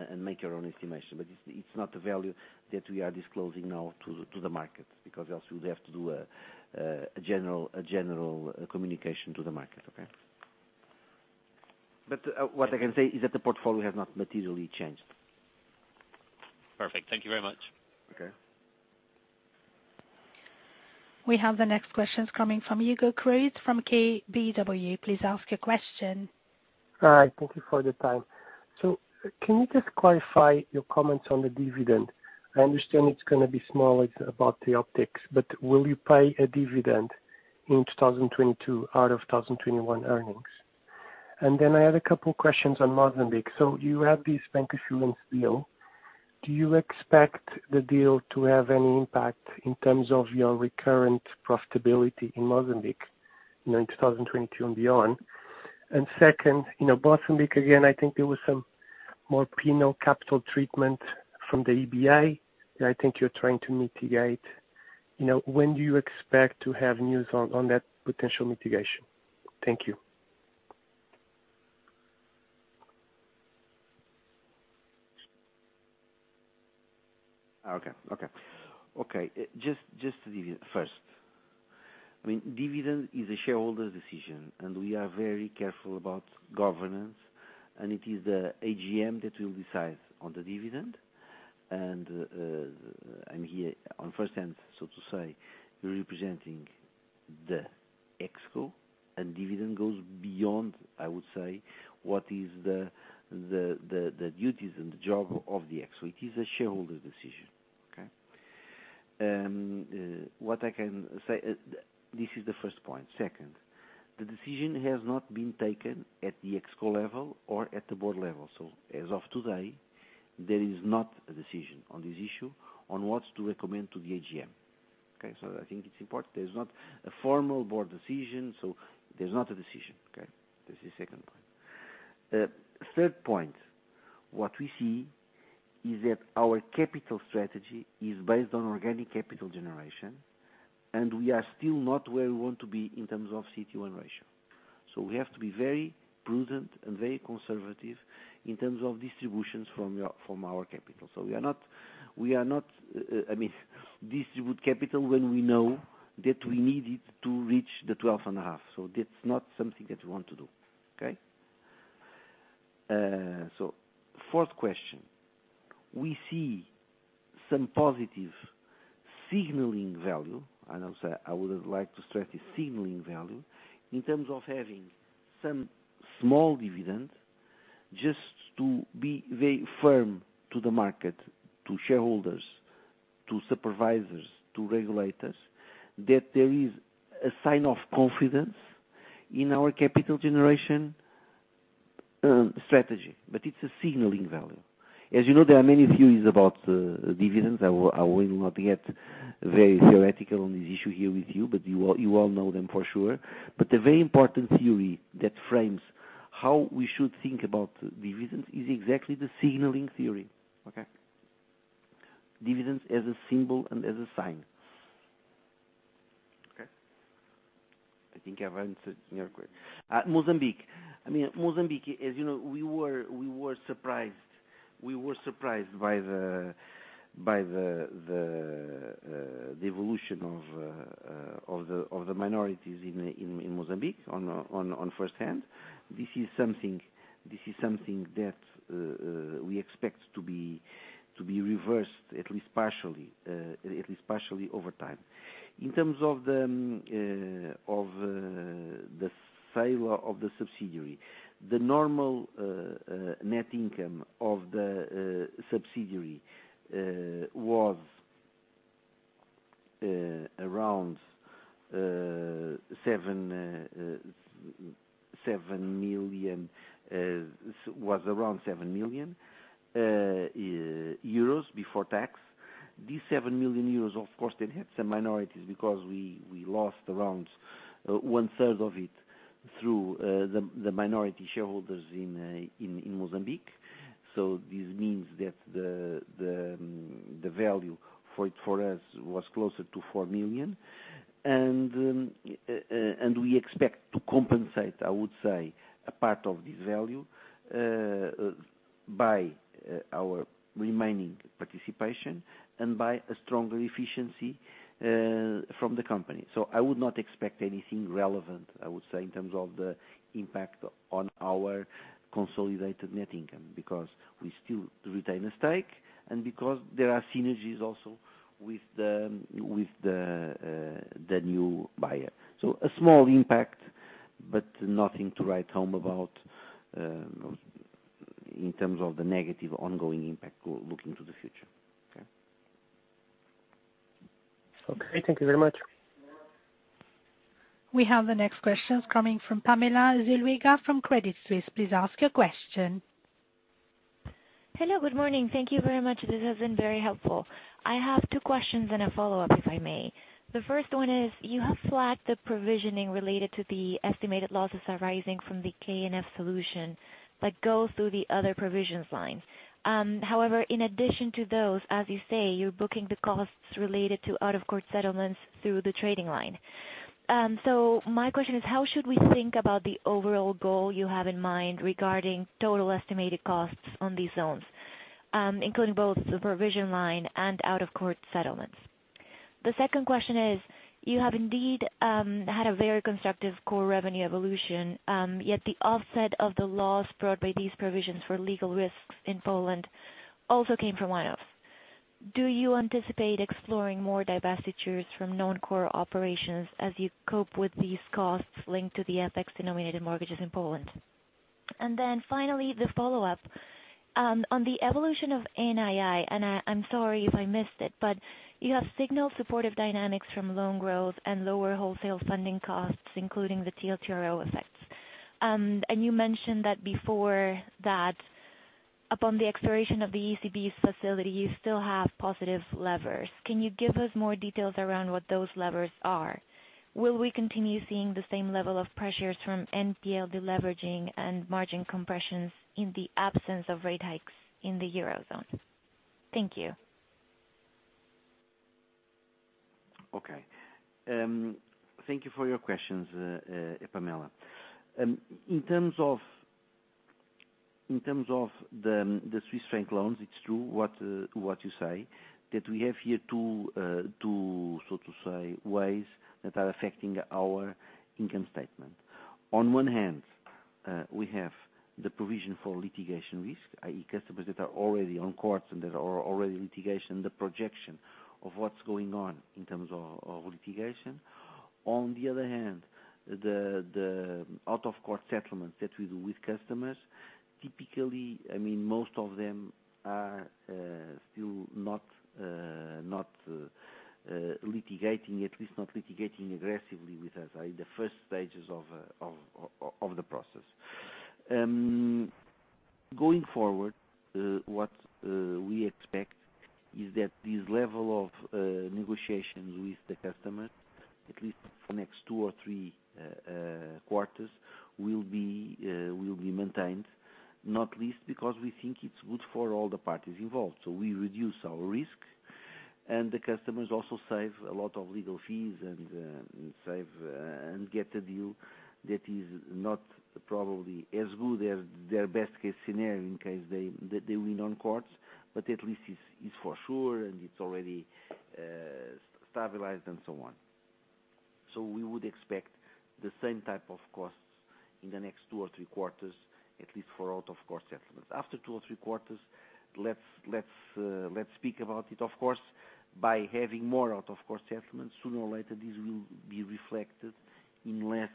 and make your own estimation. It's not a value that we are disclosing now to the market, because else we would have to do a general communication to the market. Okay? What I can say is that the portfolio has not materially changed. Perfect. Thank you very much. Okay. We have the next questions coming from Hugo Cruz from KBW. Please ask your question. Hi. Thank you for the time. Can you just clarify your comments on the dividend? I understand it's gonna be small. It's about the optics. Will you pay a dividend in 2022 out of 2021 earnings? I had a couple questions on Mozambique. You have this BIM's deal. Do you expect the deal to have any impact in terms of your recurrent profitability in Mozambique, you know, in 2022 and beyond? Second, you know, Mozambique again, I think there was some more penal capital treatment from the EBA that I think you're trying to mitigate. You know, when do you expect to have news on that potential mitigation? Thank you. Okay. Just the divi first. I mean, dividend is a shareholder decision, and we are very careful about governance, and it is the AGM that will decide on the dividend. I'm here on first hand, so to say, representing the ExCo and dividend goes beyond, I would say, what is the duties and the job of the ExCo. It is a shareholder decision. Okay? What I can say, this is the first point. Second, the decision has not been taken at the ExCo level or at the board level. As of today, there is not a decision on this issue on what to recommend to the AGM. Okay. I think it's important. There's not a formal board decision, so there's not a decision, okay? This is second point. Third point, what we see is that our capital strategy is based on organic capital generation, and we are still not where we want to be in terms of CET1 ratio. We have to be very prudent and very conservative in terms of distributions from our capital. We are not, I mean, distribute capital when we know that we need it to reach the 12.5. That's not something that we want to do. Okay? Fourth question, we see some positive signaling value. Also, I would like to stress the signaling value in terms of having some small dividend, just to be very firm to the market, to shareholders, to supervisors, to regulators, that there is a sign of confidence in our capital generation strategy. It's a signaling value. As you know, there are many theories about dividends. I will not get very theoretical on this issue here with you, but you all know them for sure. The very important theory that frames how we should think about dividends is exactly the signaling theory. Okay. Dividends as a symbol and as a sign. Okay. I mean, Mozambique. Mozambique, as you know, we were surprised by the evolution of the minorities in Mozambique firsthand. This is something that we expect to be reversed, at least partially, over time. In terms of the sale of the subsidiary, the normal net income of the subsidiary was around 7 million euros before tax. These 7 million euros, of course, they had some minorities because we lost around one third of it through the minority shareholders in Mozambique. This means that the value for us was closer to 4 million. We expect to compensate, I would say, a part of this value by our remaining participation and by a stronger efficiency from the company. I would not expect anything relevant, I would say, in terms of the impact on our consolidated net income, because we still retain a stake and because there are synergies also with the new buyer. A small impact, but nothing to write home about, in terms of the negative ongoing impact looking to the future. Okay. Okay. Thank you very much. We have the next questions coming from Pamela Zuluaga from Credit Suisse. Please ask your question. Hello, good morning. Thank you very much. This has been very helpful. I have two questions and a follow-up, if I may. The first one is, you have flagged the provisioning related to the estimated losses arising from the KNF solution that goes through the other provisions line. However, in addition to those, as you say, you're booking the costs related to out-of-court settlements through the trading line. So my question is, how should we think about the overall goal you have in mind regarding total estimated costs on these loans, including both the provision line and out-of-court settlements? The second question is, you have indeed had a very constructive core revenue evolution, yet the offset of the loss brought by these provisions for legal risks in Poland also came from one-offs. Do you anticipate exploring more divestitures from non-core operations as you cope with these costs linked to the FX-denominated mortgages in Poland? Then finally, the follow-up. On the evolution of NII, and I'm sorry if I missed it, but you have signaled supportive dynamics from loan growth and lower wholesale funding costs, including the TLTRO effects. And you mentioned that before that upon the expiration of the ECB's facility, you still have positive levers. Can you give us more details around what those levers are? Will we continue seeing the same level of pressures from NPL deleveraging and margin compressions in the absence of rate hikes in the Eurozone? Thank you. Okay. Thank you for your questions, Pamela. In terms of the Swiss franc loans, it's true what you say, that we have here two, so to say, ways that are affecting our income statement. On one hand, we have the provision for litigation risk, i.e., customers that are already in courts and there is already litigation, the projection of what's going on in terms of litigation. On the other hand, the out-of-court settlements that we do with customers, typically, I mean, most of them are still not litigating, at least not litigating aggressively with us, are in the first stages of the process. Going forward, what we expect is that this level of negotiations with the customer, at least for next two or three quarters, will be maintained, not least because we think it's good for all the parties involved. We reduce our risk, and the customers also save a lot of legal fees and save and get a deal that is not probably as good as their best-case scenario in case they win in court, but at least it's for sure, and it's already stabilized and so on. We would expect the same type of costs in the next two or three quarters, at least for out-of-court settlements. After two or three quarters, let's speak about it. Of course, by having more out-of-court settlements, sooner or later, this will be reflected in less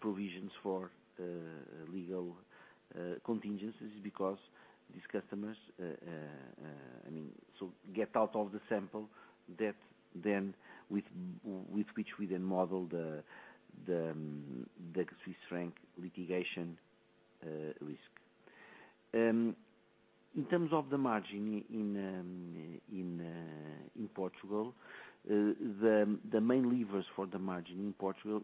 provisions for legal contingencies because these customers, I mean, so get out of the sample with which we then model the Swiss franc litigation risk. In terms of the margin in Portugal, the main levers for the margin in Portugal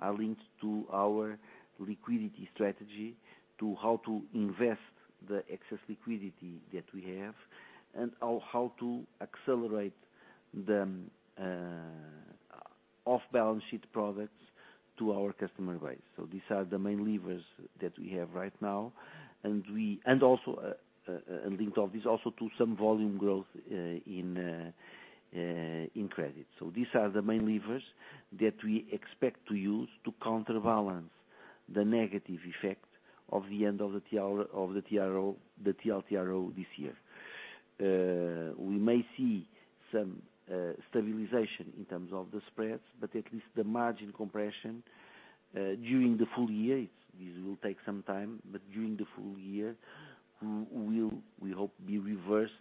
are linked to our liquidity strategy, to how to invest the excess liquidity that we have and how to accelerate the off-balance sheet products to our customer base. These are the main levers that we have right now, and also link all this to some volume growth in credit. These are the main levers that we expect to use to counterbalance the negative effect of the end of the TLTRO this year. We may see some stabilization in terms of the spreads, but at least the margin compression during the full year, this will take some time, but during the full year, we will, we hope, be reversed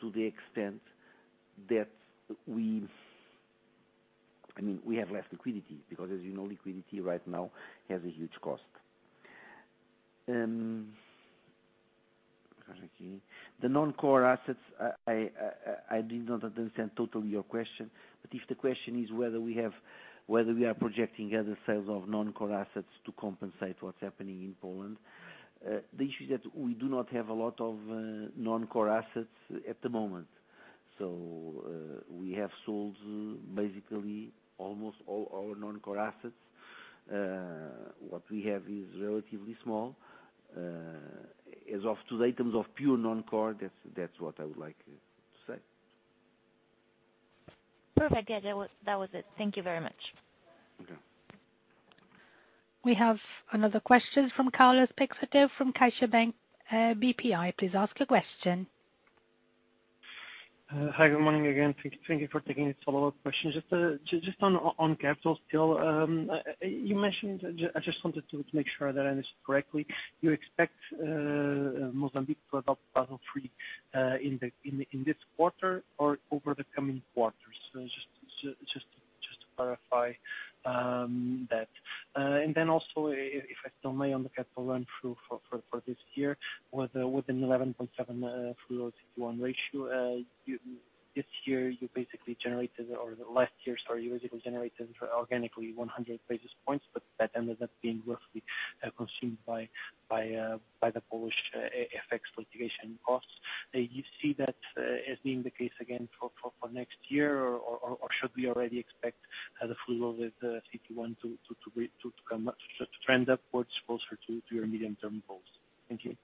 to the extent that we I mean, we have less liquidity because, as you know, liquidity right now has a huge cost. The non-core assets, I did not understand totally your question, but if the question is whether we are projecting other sales of non-core assets to compensate what's happening in Poland, the issue is that we do not have a lot of non-core assets at the moment. We have sold basically almost all our non-core assets. What we have is relatively small. As of today, in terms of pure non-core, that's what I would like to say. Perfect. Yeah, that was it. Thank you very much. We have another question from Carlos Peixoto from CaixaBank BPI. Please ask a question. Hi, good morning again. Thank you for taking these follow-up questions. Just on capital still, you mentioned, I just wanted to make sure that I understood correctly. You expect Mozambique to adopt Basel III in this quarter or over the coming quarters? Just to clarify that. If I may, on the capital run through for this year, with a 11.7 fully loaded ratio, this year you basically generated, or the last year, sorry, you basically generated organically 100 basis points, but that ended up being roughly consumed by the Polish FX litigation costs. Do you see that as being the case again for next year, or should we already expect the flow of the CET1 to come up to trend upwards closer to your medium-term goals? Thank you.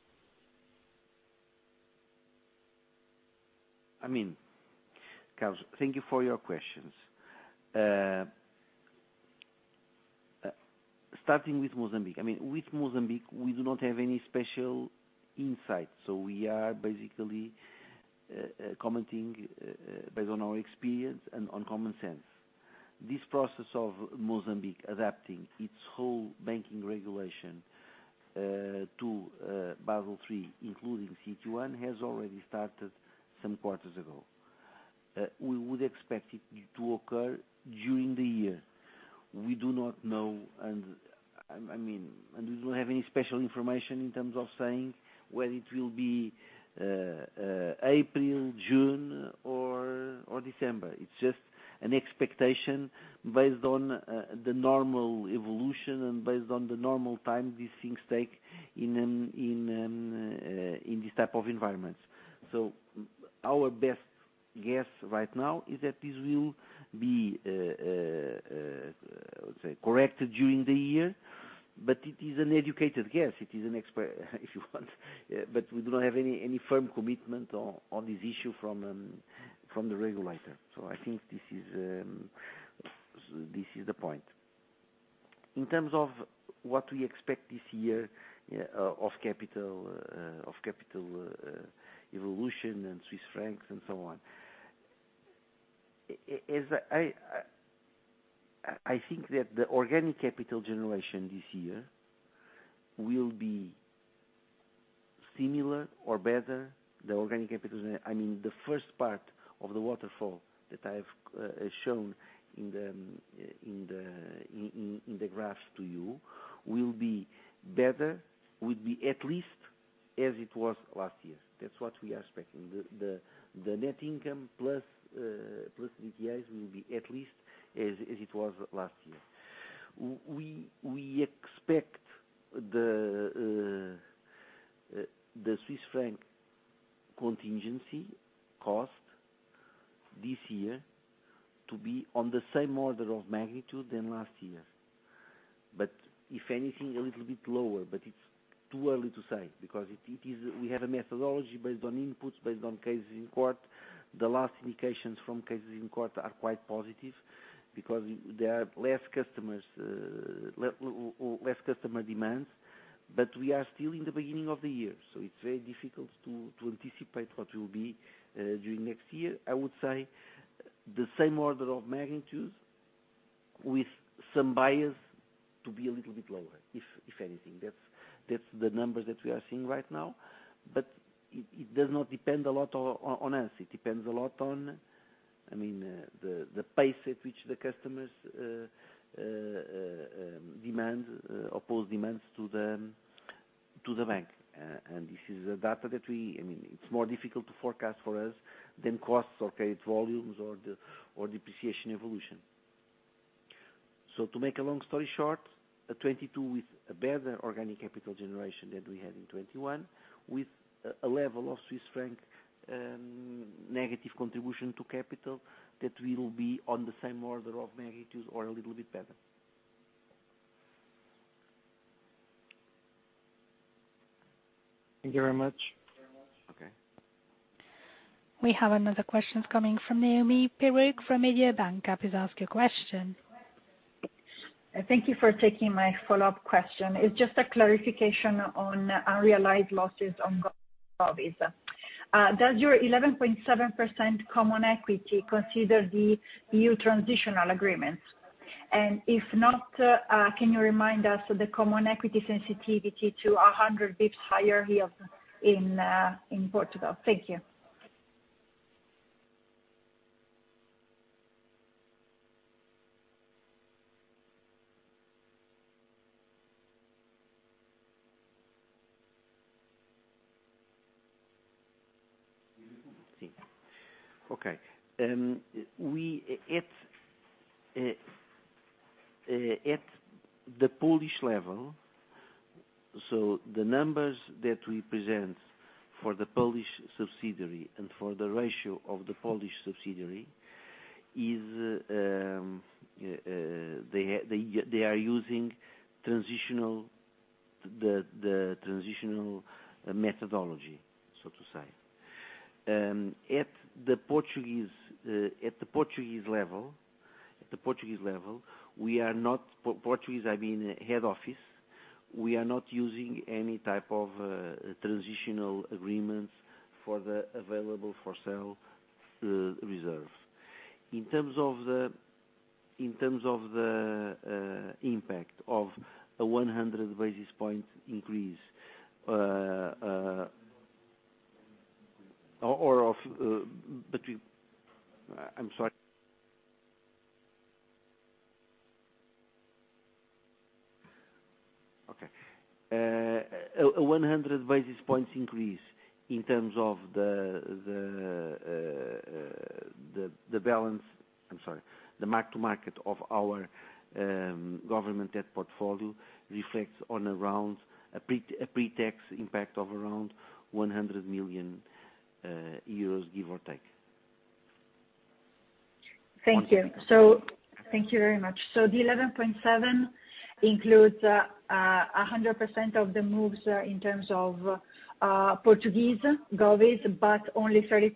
I mean, Carlos, thank you for your questions. Starting with Mozambique, I mean, with Mozambique, we do not have any special insight, so we are basically commenting based on our experience and on common sense. This process of Mozambique adapting its whole banking regulation to Basel III, including CET1, has already started some quarters ago. We would expect it to occur during the year. We do not know, and we don't have any special information in terms of saying whether it will be April, June or December. It's just an expectation based on the normal evolution and based on the normal time these things take in these type of environments. Our best guess right now is that this will be, say, corrected during the year, but it is an educated guess. It is an expert, if you want, but we do not have any firm commitment on this issue from the regulator. I think this is the point. In terms of what we expect this year of capital evolution in Swiss francs and so on. I think that the organic capital generation this year will be similar or better. The organic capital, I mean, the first part of the waterfall that I've shown in the graphs to you will be better, will be at least as it was last year. That's what we are expecting. The net income plus DTAs will be at least as it was last year. We expect the Swiss franc contingency cost this year to be on the same order of magnitude than last year. If anything, a little bit lower, but it's too early to say because it is. We have a methodology based on inputs, based on cases in court. The last indications from cases in court are quite positive because there are less customers or less customer demands. We are still in the beginning of the year, so it's very difficult to anticipate what will be during next year. I would say the same order of magnitudes with some bias to be a little bit lower, if anything. That's the numbers that we are seeing right now. It does not depend a lot on us. It depends a lot on, I mean, the pace at which the customers pose demands to the bank. This is data that we, I mean, it's more difficult to forecast for us than costs or credit volumes or depreciation evolution. To make a long story short, 2022 with a better organic capital generation than we had in 2021, with a level of Swiss franc negative contribution to capital that will be on the same order of magnitude or a little bit better. Thank you very much. Okay. We have another question coming from Noemi Peruch from Mediobanca. Please ask your question. Thank you for taking my follow-up question. It's just a clarification on unrealized losses on govies. Does your 11.7% common equity consider the new transitional agreements? If not, can you remind us of the common equity sensitivity to a 100 basis points higher yield curve in Portugal? Thank you. Okay. We at the Polish level, so the numbers that we present for the Polish subsidiary and for the ratio of the Polish subsidiary are using the transitional methodology, so to say. At the Portuguese level, I mean head office, we are not using any type of transitional agreements for the available for sale reserve. In terms of the impact of a 100 basis point increase, or of between. I'm sorry. Okay. A 100 basis points increase in terms of the balance. I'm sorry, the mark to market of our government debt portfolio reflects an around a pre-tax impact of around 100 million euros, give or take. Thank you. Thank you very much. The 11.7 includes 100% of the moves in terms of Portuguese govies, but only 30%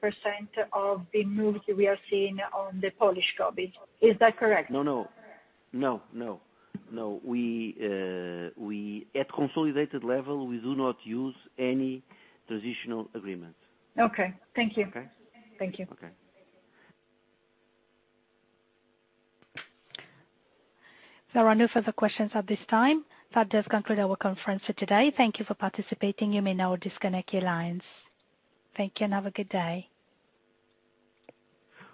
of the moves we are seeing on the Polish govie. Is that correct? No. We at consolidated level, we do not use any transitional agreements. Okay. Thank you. Okay. Thank you. Okay. There are no further questions at this time. That does conclude our conference for today. Thank you for participating. You may now disconnect your lines. Thank you, and have a good day.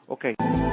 Okay.